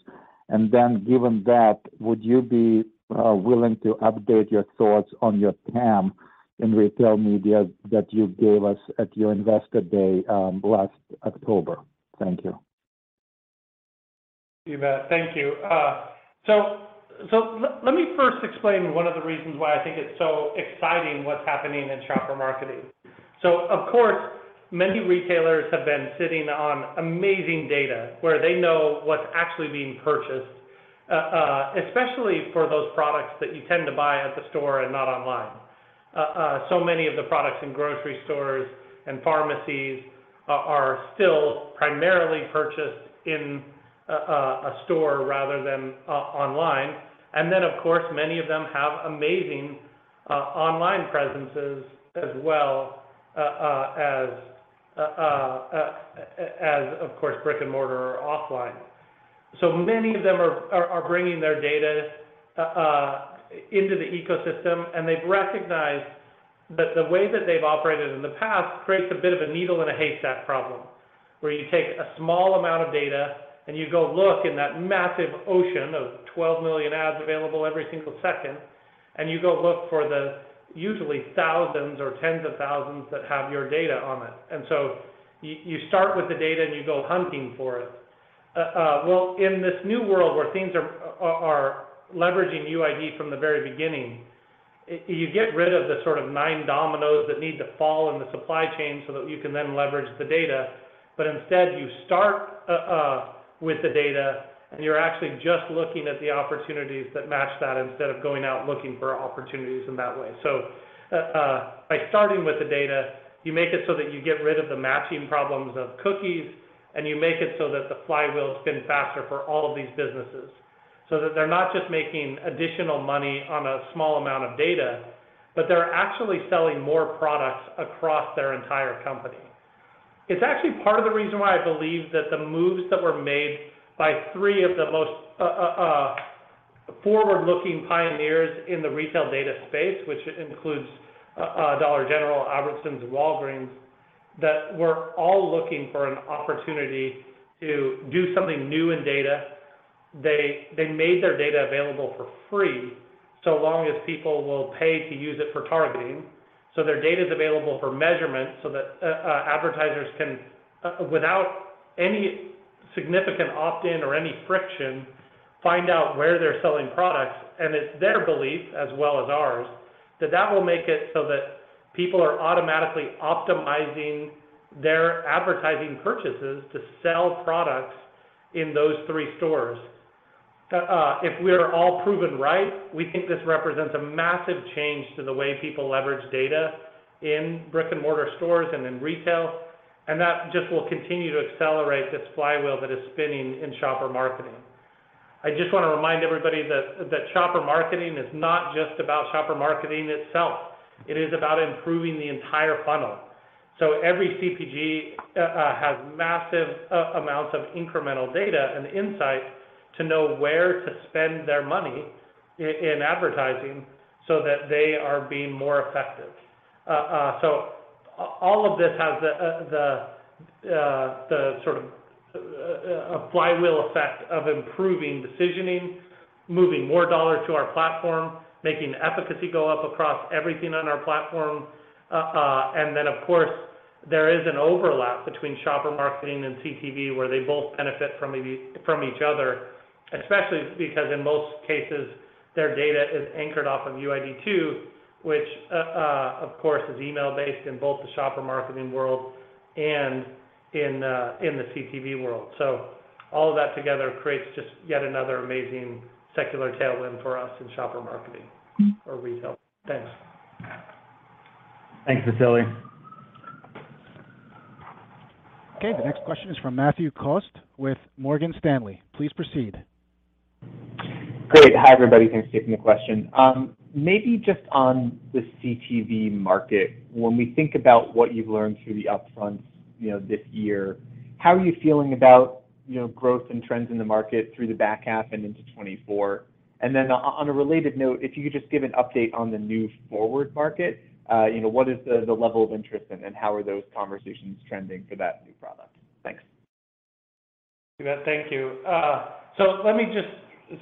G: Given that, would you be willing to update your thoughts on your TAM in retail media that you gave us at your Investor Day last October? Thank you.
C: You bet. Thank you. Let me first explain one of the reasons why I think it's so exciting what's happening in shopper marketing. Of course, many retailers have been sitting on amazing data where they know what's actually being purchased, especially for those products that you tend to buy at the store and not online. Many of the products in grocery stores and pharmacies are still primarily purchased in a store rather than online. Of course, many of them have amazing online presences as well, as of course, brick-and-mortar or offline. Many of them are bringing their data into the ecosystem, and they've recognized that the way that they've operated in the past creates a bit of a needle in a haystack problem, where you take a small amount of data and you go look in that massive ocean of 12 million ads available every single second, and you go look for the usually thousands or tens of thousands that have your data on it. So you start with the data, and you go hunting for it. Well, in this new world where things are leveraging UID from the very beginning, you get rid of the sort of 9 dominoes that need to fall in the supply chain so that you can then leverage the data. Instead, you start with the data, and you're actually just looking at the opportunities that match that instead of going out looking for opportunities in that way. By starting with the data, you make it so that you get rid of the matching problems of cookies, and you make it so that the flywheel spins faster for all of these businesses, so that they're not just making additional money on a small amount of data, but they're actually selling more products across their entire company. It's actually part of the reason why I believe that the moves that were made by three of the most forward-looking pioneers in the retail data space, which includes Dollar General, Albertsons, Walgreens, that were all looking for an opportunity to do something new in data. They, they made their data available for free, so long as people will pay to use it for targeting. Their data is available for measurement so that advertisers can, without any significant opt-in or any friction, find out where they're selling products. It's their belief, as well as ours, that that will make it so that people are automatically optimizing their advertising purchases to sell products in those 3 stores. If we're all proven right, we think this represents a massive change to the way people leverage data in brick-and-mortar stores and in retail, that just will continue to accelerate this flywheel that is spinning in shopper marketing. I just wanna remind everybody that, that shopper marketing is not just about shopper marketing itself. It is about improving the entire funnel. Every CPG has massive amounts of incremental data and insight to know where to spend their money in advertising so that they are being more effective. All of this has the sort of a flywheel effect of improving decisioning, moving more dollars to our platform, making efficacy go up across everything on our platform. Of course, there is an overlap between shopper marketing and CTV, where they both benefit from each other, especially because in most cases their data is anchored off of UID 2.0, which, of course, is email-based in both the shopper marketing world and in the CTV world. All of that together creates just yet another amazing secular tailwind for us in shopper marketing or retail.
G: Thanks.
C: Thanks, Vasily.
A: Okay, the next question is from Matthew Cost with Morgan Stanley. Please proceed.
H: Great. Hi, everybody. Thanks for taking the question. Maybe just on the CTV market, when we think about what you've learned through the upfront, you know, this year, how are you feeling about, you know, growth and trends in the market through the back half and into 2024? Then on a related note, if you could just give an update on the new forward market, you know, what is the, the level of interest, and how are those conversations trending for that new product? Thanks.
C: Thank you. Let me just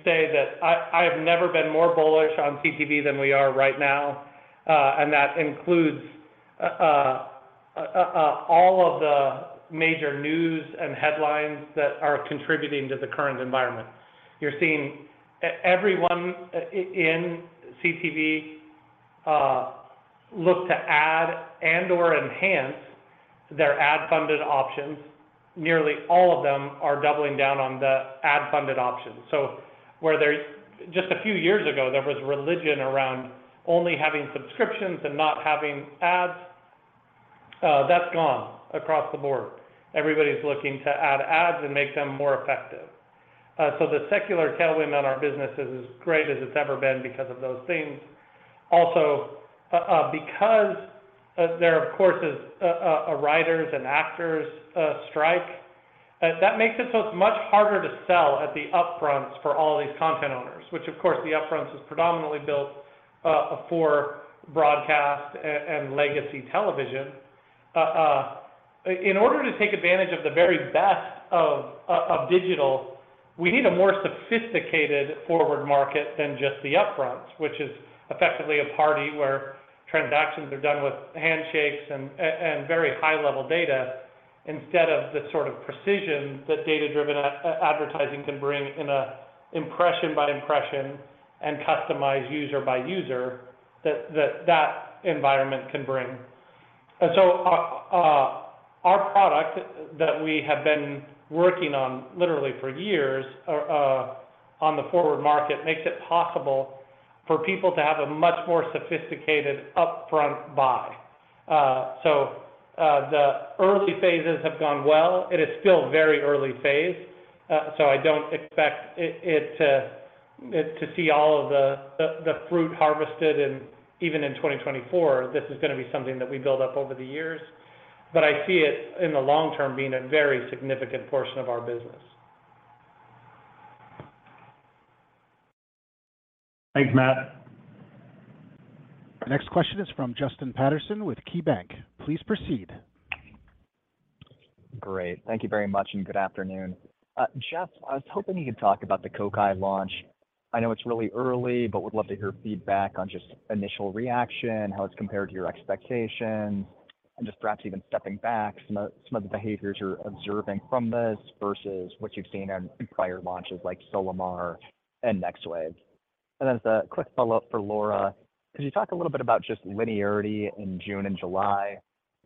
C: say that I, I have never been more bullish on CTV than we are right now, and that includes all of the major news and headlines that are contributing to the current environment. You're seeing everyone in CTV look to add and/or enhance their ad-funded options. Nearly all of them are doubling down on the ad-funded options. Where just a few years ago, there was religion around only having subscriptions and not having ads, that's gone across the board. Everybody's looking to add ads and make them more effective. The secular tailwind on our business is as great as it's ever been because of those things. Because there, of course, is a Writers and Actors Strike that makes it so it's much harder to sell at the upfront for all these content owners, which, of course, the upfront is predominantly built for broadcast and legacy television. In order to take advantage of the very best of digital, we need a more sophisticated forward market than just the upfront, which is effectively a party where transactions are done with handshakes and very high-level data, instead of the sort of precision that data-driven advertising can bring in an impression by impression and customize user by user that environment can bring. Our product that we have been working on literally for years, on the forward market, makes it possible for people to have a much more sophisticated upfront buy. The early phases have gone well. It is still very early phase, so I don't expect it, it, to see all of the, the fruit harvested in even in 2024. This is gonna be something that we build up over the years, but I see it in the long term being a very significant portion of our business. Thanks, Matt.
A: Our next question is from Justin Patterson with KeyBanc. Please proceed.
I: Great. Thank you very much, and good afternoon. Jeff, I was hoping you could talk about the Kokai launch. I know it's really early, but would love to hear feedback on just initial reaction, how it's compared to your expectations, and just perhaps even stepping back, some of, some of the behaviors you're observing from this versus what you've seen in prior launches like Solimar and Next Wave. As a quick follow-up for Laura, could you talk a little bit about just linearity in June and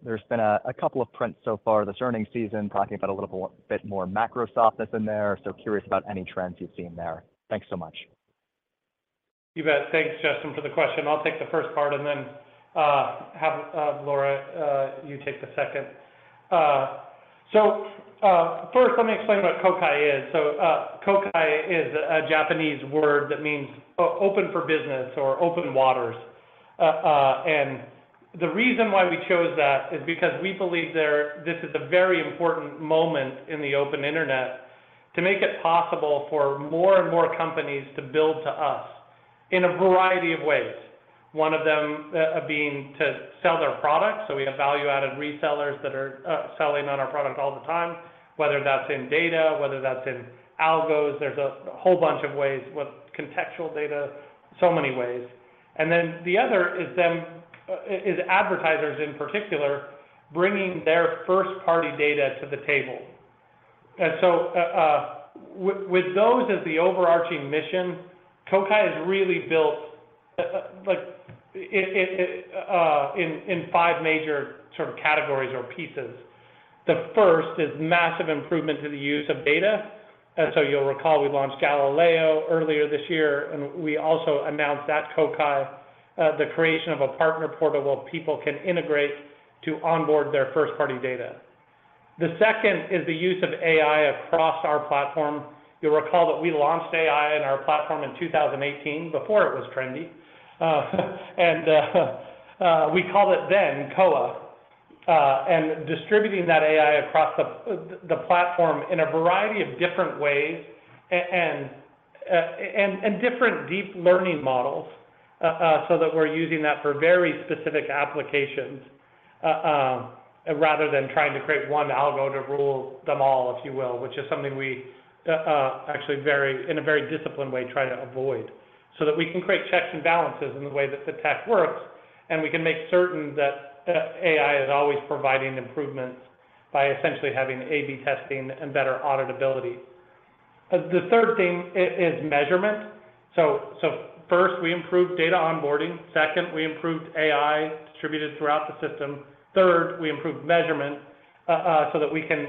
I: July? There's been a, a couple of prints so far this earnings season, talking about a little bit more macro softness in there. Curious about any trends you've seen there. Thanks so much.
C: You bet. Thanks, Justin, for the question. I'll take the first part and then have Laura, you take the second. First, let me explain what Kokai is. Kokai is a Japanese word that means open for business or open waters. The reason why we chose that is because we believe this is a very important moment in the open Internet to make it possible for more and more companies to build to us in a variety of ways. One of them, being to sell their products, so we have value-added resellers that are selling on our product all the time, whether that's in data, whether that's in algos. There's a whole bunch of ways, with contextual data, so many ways. The other is them, is advertisers in particular, bringing their first-party data to the table. With, with those as the overarching mission, Kokai has really built, like, in five major sort of categories or pieces. The first is massive improvement to the use of data. You'll recall we launched Galileo earlier this year, and we also announced at Kokai, the creation of a partner portal where people can integrate to onboard their first-party data. The second is the use of AI across our platform. You'll recall that we launched AI in our platform in 2018, before it was trendy. We called it then Koa, and distributing that AI across the, the, the platform in a variety of different ways and different deep learning models, so that we're using that for very specific applications, rather than trying to create one algorithm to rule them all, if you will, which is something we actually very, in a very disciplined way, try to avoid, so that we can create checks and balances in the way that the tech works, and we can make certain that AI is always providing improvements by essentially having A/B testing and better auditability. The third thing is measurement. First, we improved data onboarding. Second, we improved AI distributed throughout the system. Third, we improved measurement so that we can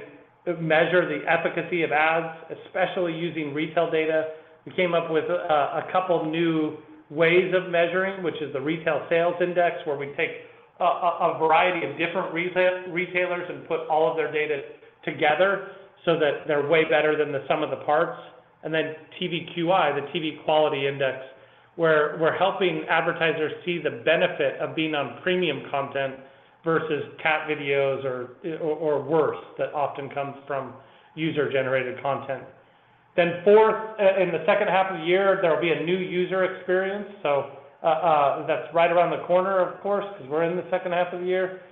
C: measure the efficacy of ads, especially using retail data. We came up with a couple new ways of measuring, which is the Retail Sales Index, where we take a variety of different retailers and put all of their data together so that they're way better than the sum of the parts. TVQI, the TV Quality Index, where we're helping advertisers see the benefit of being on premium content versus cat videos or worse, that often comes from user-generated content. Fourth, in the second half of the year, there will be a new user experience. That's right around the corner, of course, because we're in the second half of the year.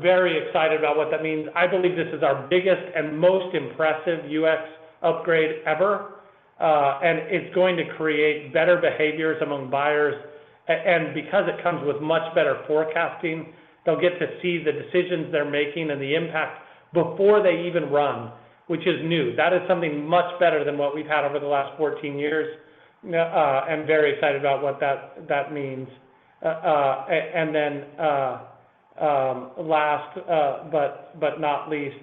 C: Very excited about what that means. I believe this is our biggest and most impressive UX upgrade ever, and it's going to create better behaviors among buyers. Because it comes with much better forecasting, they'll get to see the decisions they're making and the impact before they even run, which is new. That is something much better than what we've had over the last 14 years. I'm very excited about what that, that means. Then, last but not least,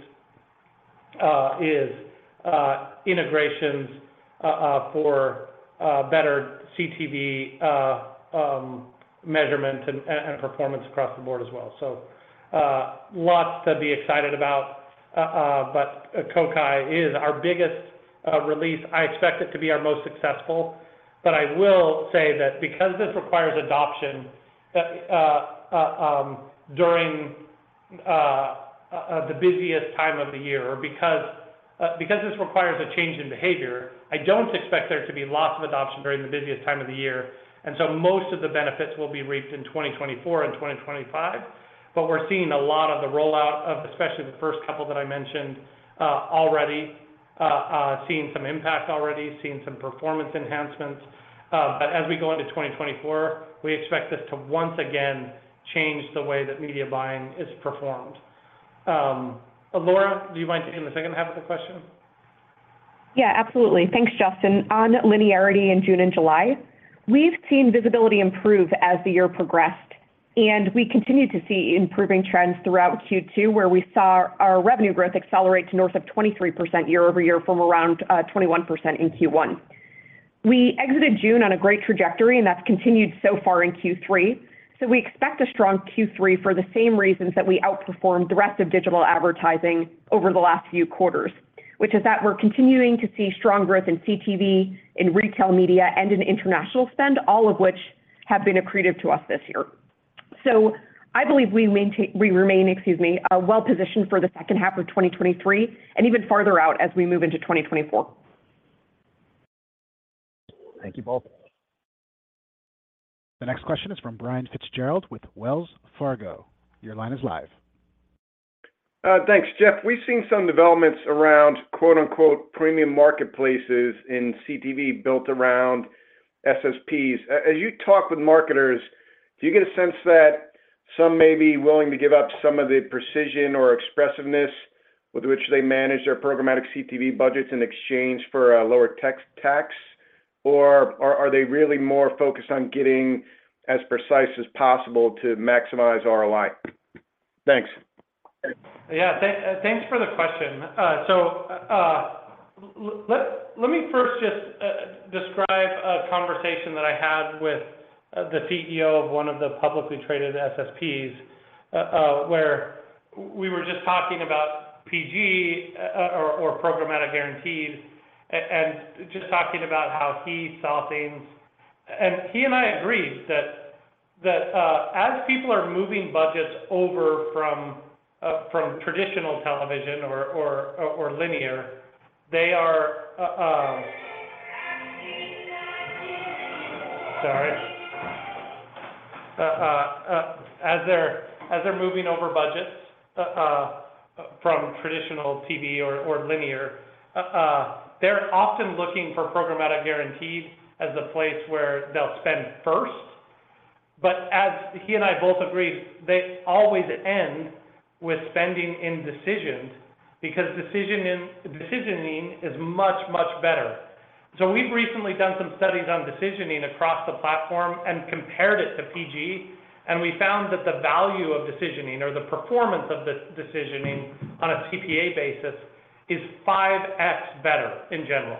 C: is integrations for better CTV measurement and performance across the board as well. Lots to be excited about, but Kokai is our biggest release. I expect it to be our most successful, but I will say that because this requires adoption, during the busiest time of the year, because this requires a change in behavior, I don't expect there to be lots of adoption during the busiest time of the year, and so most of the benefits will be reaped in 2024 and 2025. We're seeing a lot of the rollout of, especially the first couple that I mentioned, already, seeing some impact already, seeing some performance enhancements. As we go into 2024, we expect this to once again change the way that media buying is performed. Laura, do you mind taking the second half of the question?
D: Yeah, absolutely. Thanks, Justin. On linearity in June and July, we've seen visibility improve as the year progressed, and we continued to see improving trends throughout Q2, where we saw our revenue growth accelerate to north of 23% year-over-year from around 21% in Q1. We exited June on a great trajectory, and that's continued so far in Q3. We expect a strong Q3 for the same reasons that we outperformed the rest of digital advertising over the last few quarters, which is that we're continuing to see strong growth in CTV, in retail media, and in international spend, all of which have been accretive to us this year. I believe we maintain-- we remain, excuse me, well-positioned for the second half of 2023 and even farther out as we move into 2024.
I: Thank you both.
A: The next question is from Brian Fitzgerald with Wells Fargo. Your line is live.
J: Thanks, Jeff. We've seen some developments around quote-unquote, "premium marketplaces" in CTV built around SSPs. As you talk with marketers, do you get a sense that some may be willing to give up some of the precision or expressiveness with which they manage their programmatic CTV budgets in exchange for a lower tech tax, or are they really more focused on getting as precise as possible to maximize ROI? Thanks.
C: Yeah, thanks for the question. So, let me first just describe a conversation that I had with the CEO of one of the publicly traded SSPs, where we were just talking about PG, or programmatic guarantees, and just talking about how he saw things. He and I agreed that, as people are moving budgets over from traditional television or linear, they are... Sorry. As they're moving over budgets from traditional TV or linear, they're often looking for programmatic guarantees as the place where they'll spend first. He and I both agreed, they always end with spending in decisions, because decisioning is much, much better. We've recently done some studies on decisioning across the platform and compared it to PG, and we found that the value of decisioning or the performance of the decisioning on a CPA basis is 5x better in general.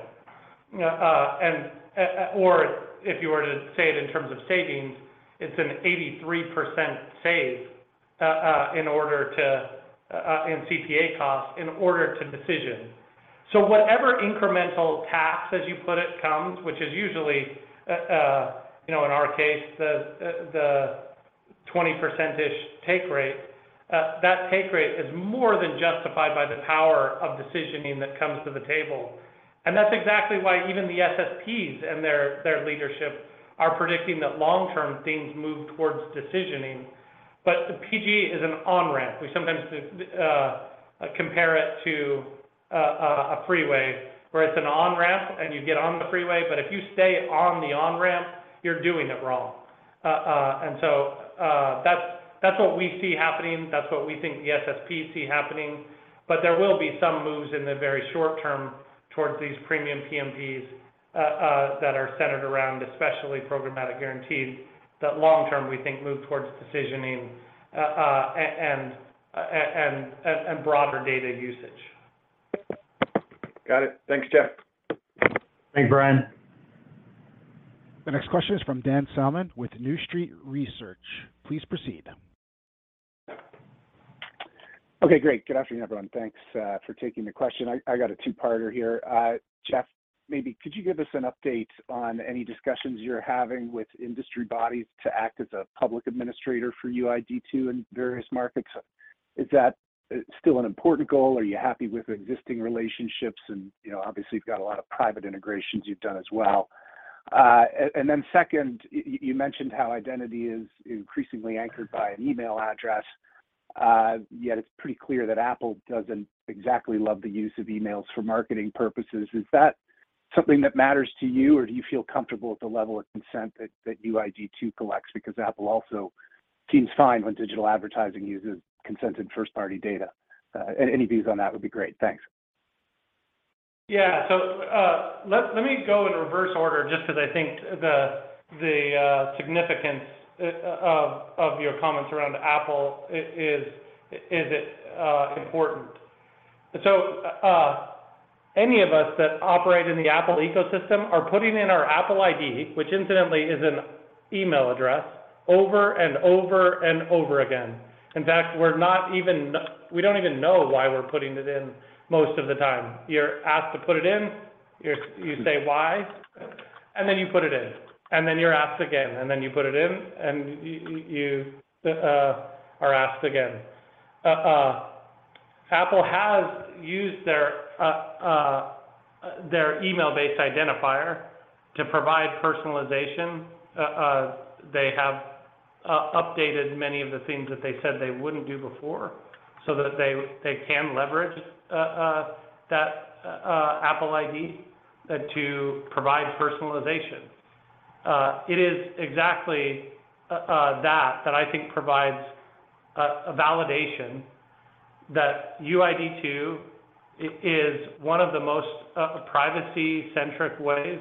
C: Or if you were to say it in terms of savings, it's an 83% save in order to in CPA costs, in order to decision. Whatever incremental tax, as you put it, comes, which is usually, you know, in our case, the 20%-ish take rate, that take rate is more than justified by the power of decisioning that comes to the table. That's exactly why even the SSPs and their, their leadership are predicting that long-term things move towards decisioning. The PG is an on-ramp. We sometimes compare it to a freeway, where it's an on-ramp and you get on the freeway, but if you stay on the on-ramp, you're doing it wrong. That's what we see happening, that's what we think the SSP see happening, but there will be some moves in the very short term towards these premium PMPs that are centered around especially programmatic guarantees, that long term, we think, move towards decisioning and broader data usage.
J: Got it. Thanks, Jeff.
A: Thank you, Brian. The next question is from Dan Salmon with New Street Research. Please proceed.
K: Okay, great. Good afternoon, everyone. Thanks for taking the question. I got a two-parter here. Jeff, maybe could you give us an update on any discussions you're having with industry bodies to act as a public administrator for UID 2.0 in various markets? Is that still an important goal? Are you happy with existing relationships? You know, obviously, you've got a lot of private integrations you've done as well. Then second, you mentioned how identity is increasingly anchored by an email address, yet it's pretty clear that Apple doesn't exactly love the use of emails for marketing purposes. Is that something that matters to you, or do you feel comfortable with the level of consent that UID 2.0 collects? Because Apple also seems fine when digital advertising uses consented first-party data. Any views on that would be great. Thanks.
C: Yeah. Let me go in reverse order just 'cause I think the significance of your comments around Apple is important. Any of us that operate in the Apple ecosystem are putting in our Apple ID, which incidentally is an email address, over and over and over again. In fact, we're not even we don't even know why we're putting it in most of the time. You're asked to put it in, you say, "Why?" And then you put it in, and then you're asked again, and then you put it in, and you are asked again. Apple has used their email-based identifier to provide personalization. They have updated many of the things that they said they wouldn't do before, so that they, they can leverage that Apple ID to provide personalization. It is exactly that, that I think provides a validation that UID 2.0 is one of the most privacy-centric ways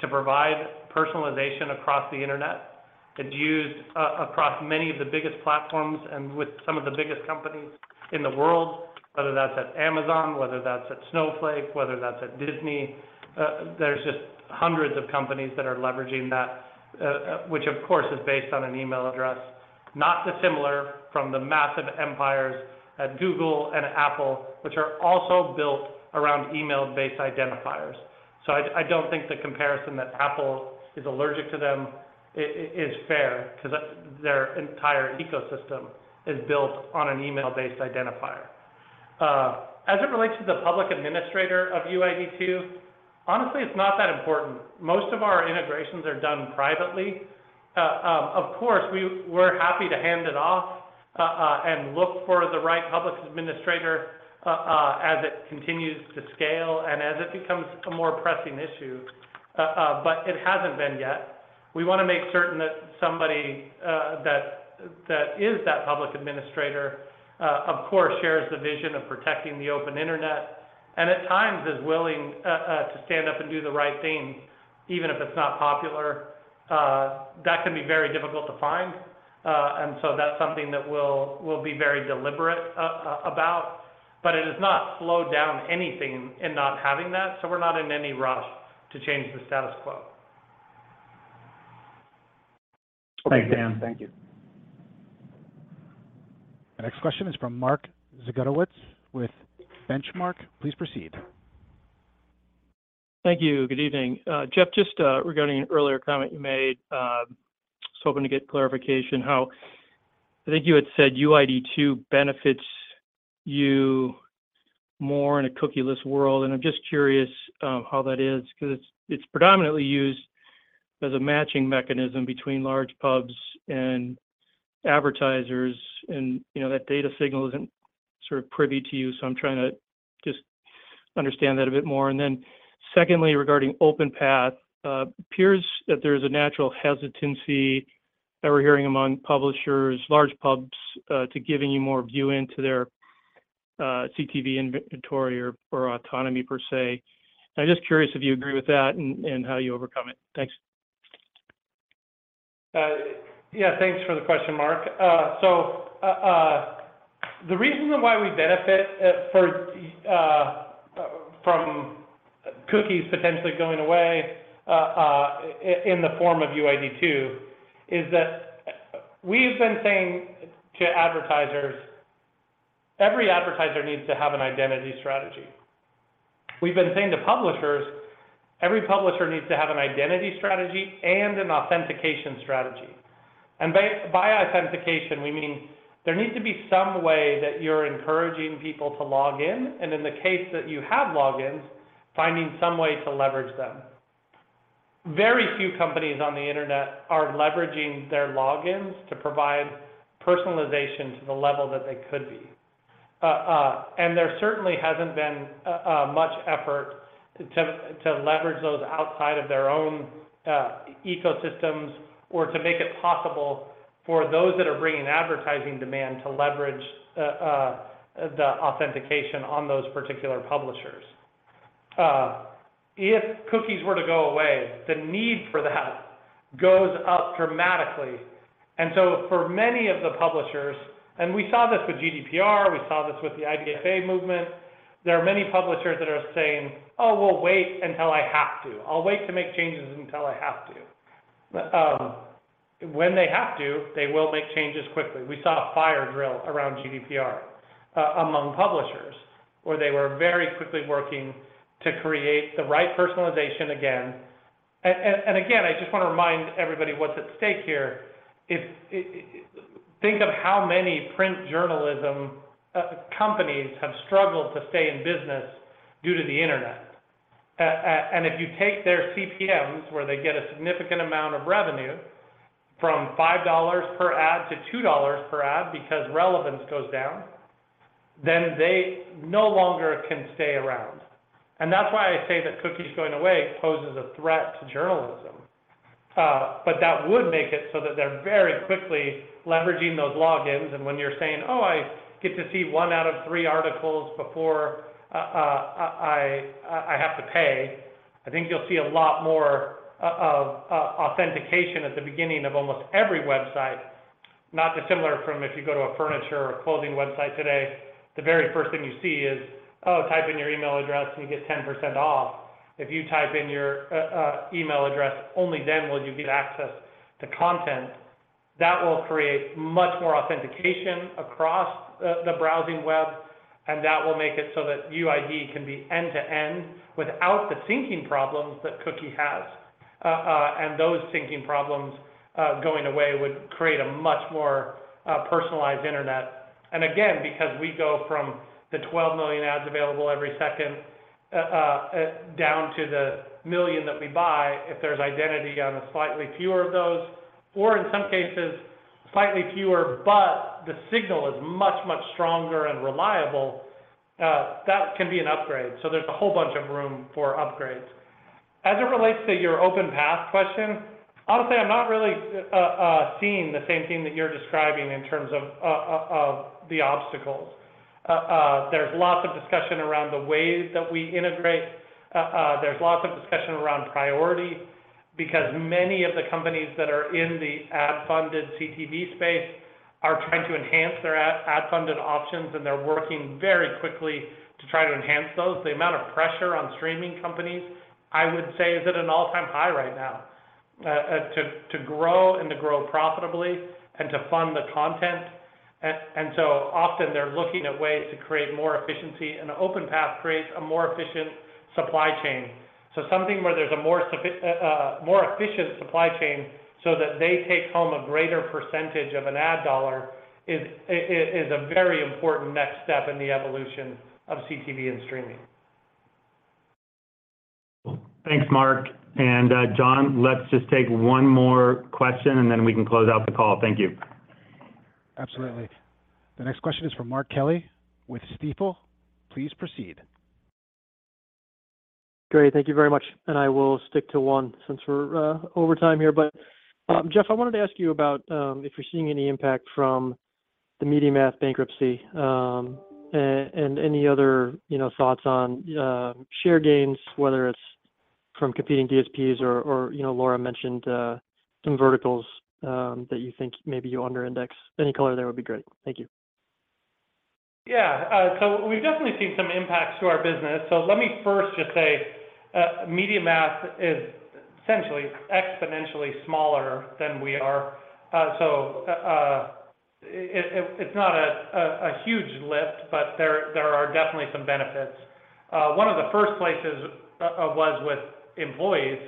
C: to provide personalization across the internet. It's used across many of the biggest platforms and with some of the biggest companies in the world, whether that's at Amazon, whether that's at Snowflake, whether that's at Disney. There's just hundreds of companies that are leveraging that, which, of course, is based on an email address, not dissimilar from the massive empires at Google and Apple, which are also built around email-based identifiers. I, I don't think the comparison that Apple is allergic to them is fair, 'cause their entire ecosystem is built on an email-based identifier. As it relates to the public administrator of UID 2.0, honestly, it's not that important. Most of our integrations are done privately. Of course, we're happy to hand it off and look for the right public administrator as it continues to scale and as it becomes a more pressing issue, but it hasn't been yet. We wanna make certain that somebody that is that public administrator, of course, shares the vision of protecting the open internet, and at times is willing to stand up and do the right thing, even if it's not popular. That can be very difficult to find, and so that's something that we'll, we'll be very deliberate about, but it has not slowed down anything in not having that, so we're not in any rush to change the status quo. Thanks, Dan.
K: Thank you.
A: The next question is from Mark Zgutowicz with Benchmark. Please proceed.
L: Thank you. Good evening. Jeff, just regarding an earlier comment you made, just hoping to get clarification. I think you had said UID 2.0 benefits you more in a cookie-less world, and I'm just curious how that is? 'Cause it's, it's predominantly used as a matching mechanism between large pubs and advertisers, and, you know, that data signal isn't sort of privy to you. I'm trying to just understand that a bit more. Then secondly, regarding OpenPath, appears that there's a natural hesitancy that we're hearing among publishers, large pubs, to giving you more view into CTV inventory or, or autonomy per se. I'm just curious if you agree with that and, and how you overcome it? Thanks.
C: Yeah, thanks for the question, Mark. The reason why we benefit for from cookies potentially going away in the form of UID 2.0, is that we've been saying to advertisers, every advertiser needs to have an identity strategy. We've been saying to publishers, every publisher needs to have an identity strategy and an authentication strategy. By, by authentication, we mean there needs to be some way that you're encouraging people to log in, and in the case that you have logins, finding some way to leverage them. Very few companies on the internet are leveraging their logins to provide personalization to the level that they could be. There certainly hasn't been much effort to leverage those outside of their own ecosystems, or to make it possible for those that are bringing advertising demand to leverage the authentication on those particular publishers. If cookies were to go away, the need for that goes up dramatically. For many of the publishers, and we saw this with GDPR, we saw this with the IDFA movement, there are many publishers that are saying, "Oh, we'll wait until I have to. I'll wait to make changes until I have to." When they have to, they will make changes quickly. We saw a fire drill around GDPR among publishers, where they were very quickly working to create the right personalization again. Again, I just want to remind everybody what's at stake here. If think of how many print journalism companies have struggled to stay in business due to the internet. If you take their CPMs, where they get a significant amount of revenue from $5 per ad to $2 per ad because relevance goes down, then they no longer can stay around. That's why I say that cookies going away poses a threat to journalism. That would make it so that they're very quickly leveraging those logins, and when you're saying, "Oh, I get to see 1 out of 3 articles before I have to pay," I think you'll see a lot more of authentication at the beginning of almost every website. Not dissimilar from if you go to a furniture or clothing website today, the very first thing you see is, oh, type in your email address, and you get 10% off. If you type in your email address, only then will you get access to content. That will create much more authentication across the browsing web, and that will make it so that UID can be end-to-end without the syncing problems that cookie has. And those syncing problems going away would create a much more personalized internet. Again, because we go from the 12 million ads available every second down to the 1 million that we buy, if there's identity on slightly fewer of those, or in some cases, slightly fewer, but the signal is much, much stronger and reliable, that can be an upgrade. There's a whole bunch of room for upgrades. As it relates to your OpenPath question, honestly, I'm not really seeing the same thing that you're describing in terms of the obstacles. There's lots of discussion around the ways that we integrate. There's lots of discussion around priority, because many of the companies that are in the ad-funded CTV space are trying to enhance their ad-funded options, and they're working very quickly to try to enhance those. The amount of pressure on streaming companies, I would say, is at an all-time high right now, to grow and to grow profitably and to fund the content. And so often they're looking at ways to create more efficiency, and an OpenPath creates a more efficient supply chain. Something where there's a more efficient supply chain so that they take home a greater percentage of an ad dollar is a very important next step in the evolution of CTV and streaming.
B: Thanks, Mark. John, let's just take one more question, and then we can close out the call. Thank you.
A: Absolutely. The next question is from Mark Kelley with Stifel. Please proceed.
M: Great. Thank you very much, I will stick to one since we're over time here. Jeff, I wanted to ask you about if you're seeing any impact from the MediaMath bankruptcy, and any other, you know, thoughts on share gains, whether it's from competing DSPs or, you know, Laura mentioned some verticals that you think maybe you under index. Any color there would be great. Thank you.
C: Yeah, we've definitely seen some impacts to our business. Let me first just say, MediaMath is essentially exponentially smaller than we are. It's not a huge lift, but there are definitely some benefits. One of the first places was with employees.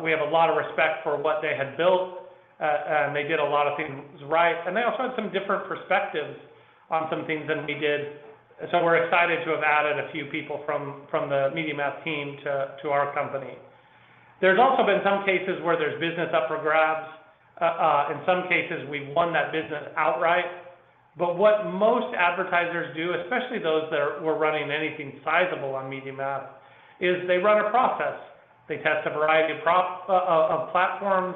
C: We have a lot of respect for what they had built, they did a lot of things right. They also had some different perspectives on some things than we did. We're excited to have added a few people from the MediaMath team to our company. There's also been some cases where there's business up for grabs. In some cases, we won that business outright. What most advertisers do, especially those that were running anything sizable on MediaMath, is they run a process. They test a variety of platforms.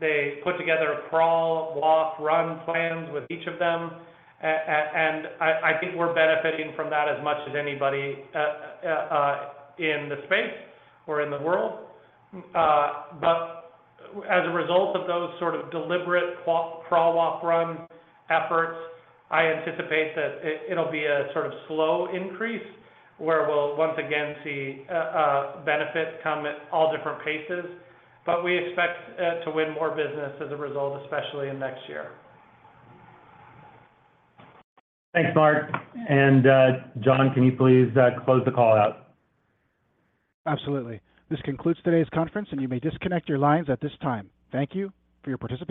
C: They put together a crawl, walk, run plans with each of them. I think we're benefiting from that as much as anybody in the space or in the world. As a result of those sort of deliberate crawl, crawl, walk, run efforts, I anticipate that it'll be a sort of slow increase, where we'll once again see benefits come at all different paces. We expect to win more business as a result, especially in next year.
B: Thanks, Mark. John, can you please close the call out?
A: Absolutely. This concludes today's conference. You may disconnect your lines at this time. Thank you for your participation.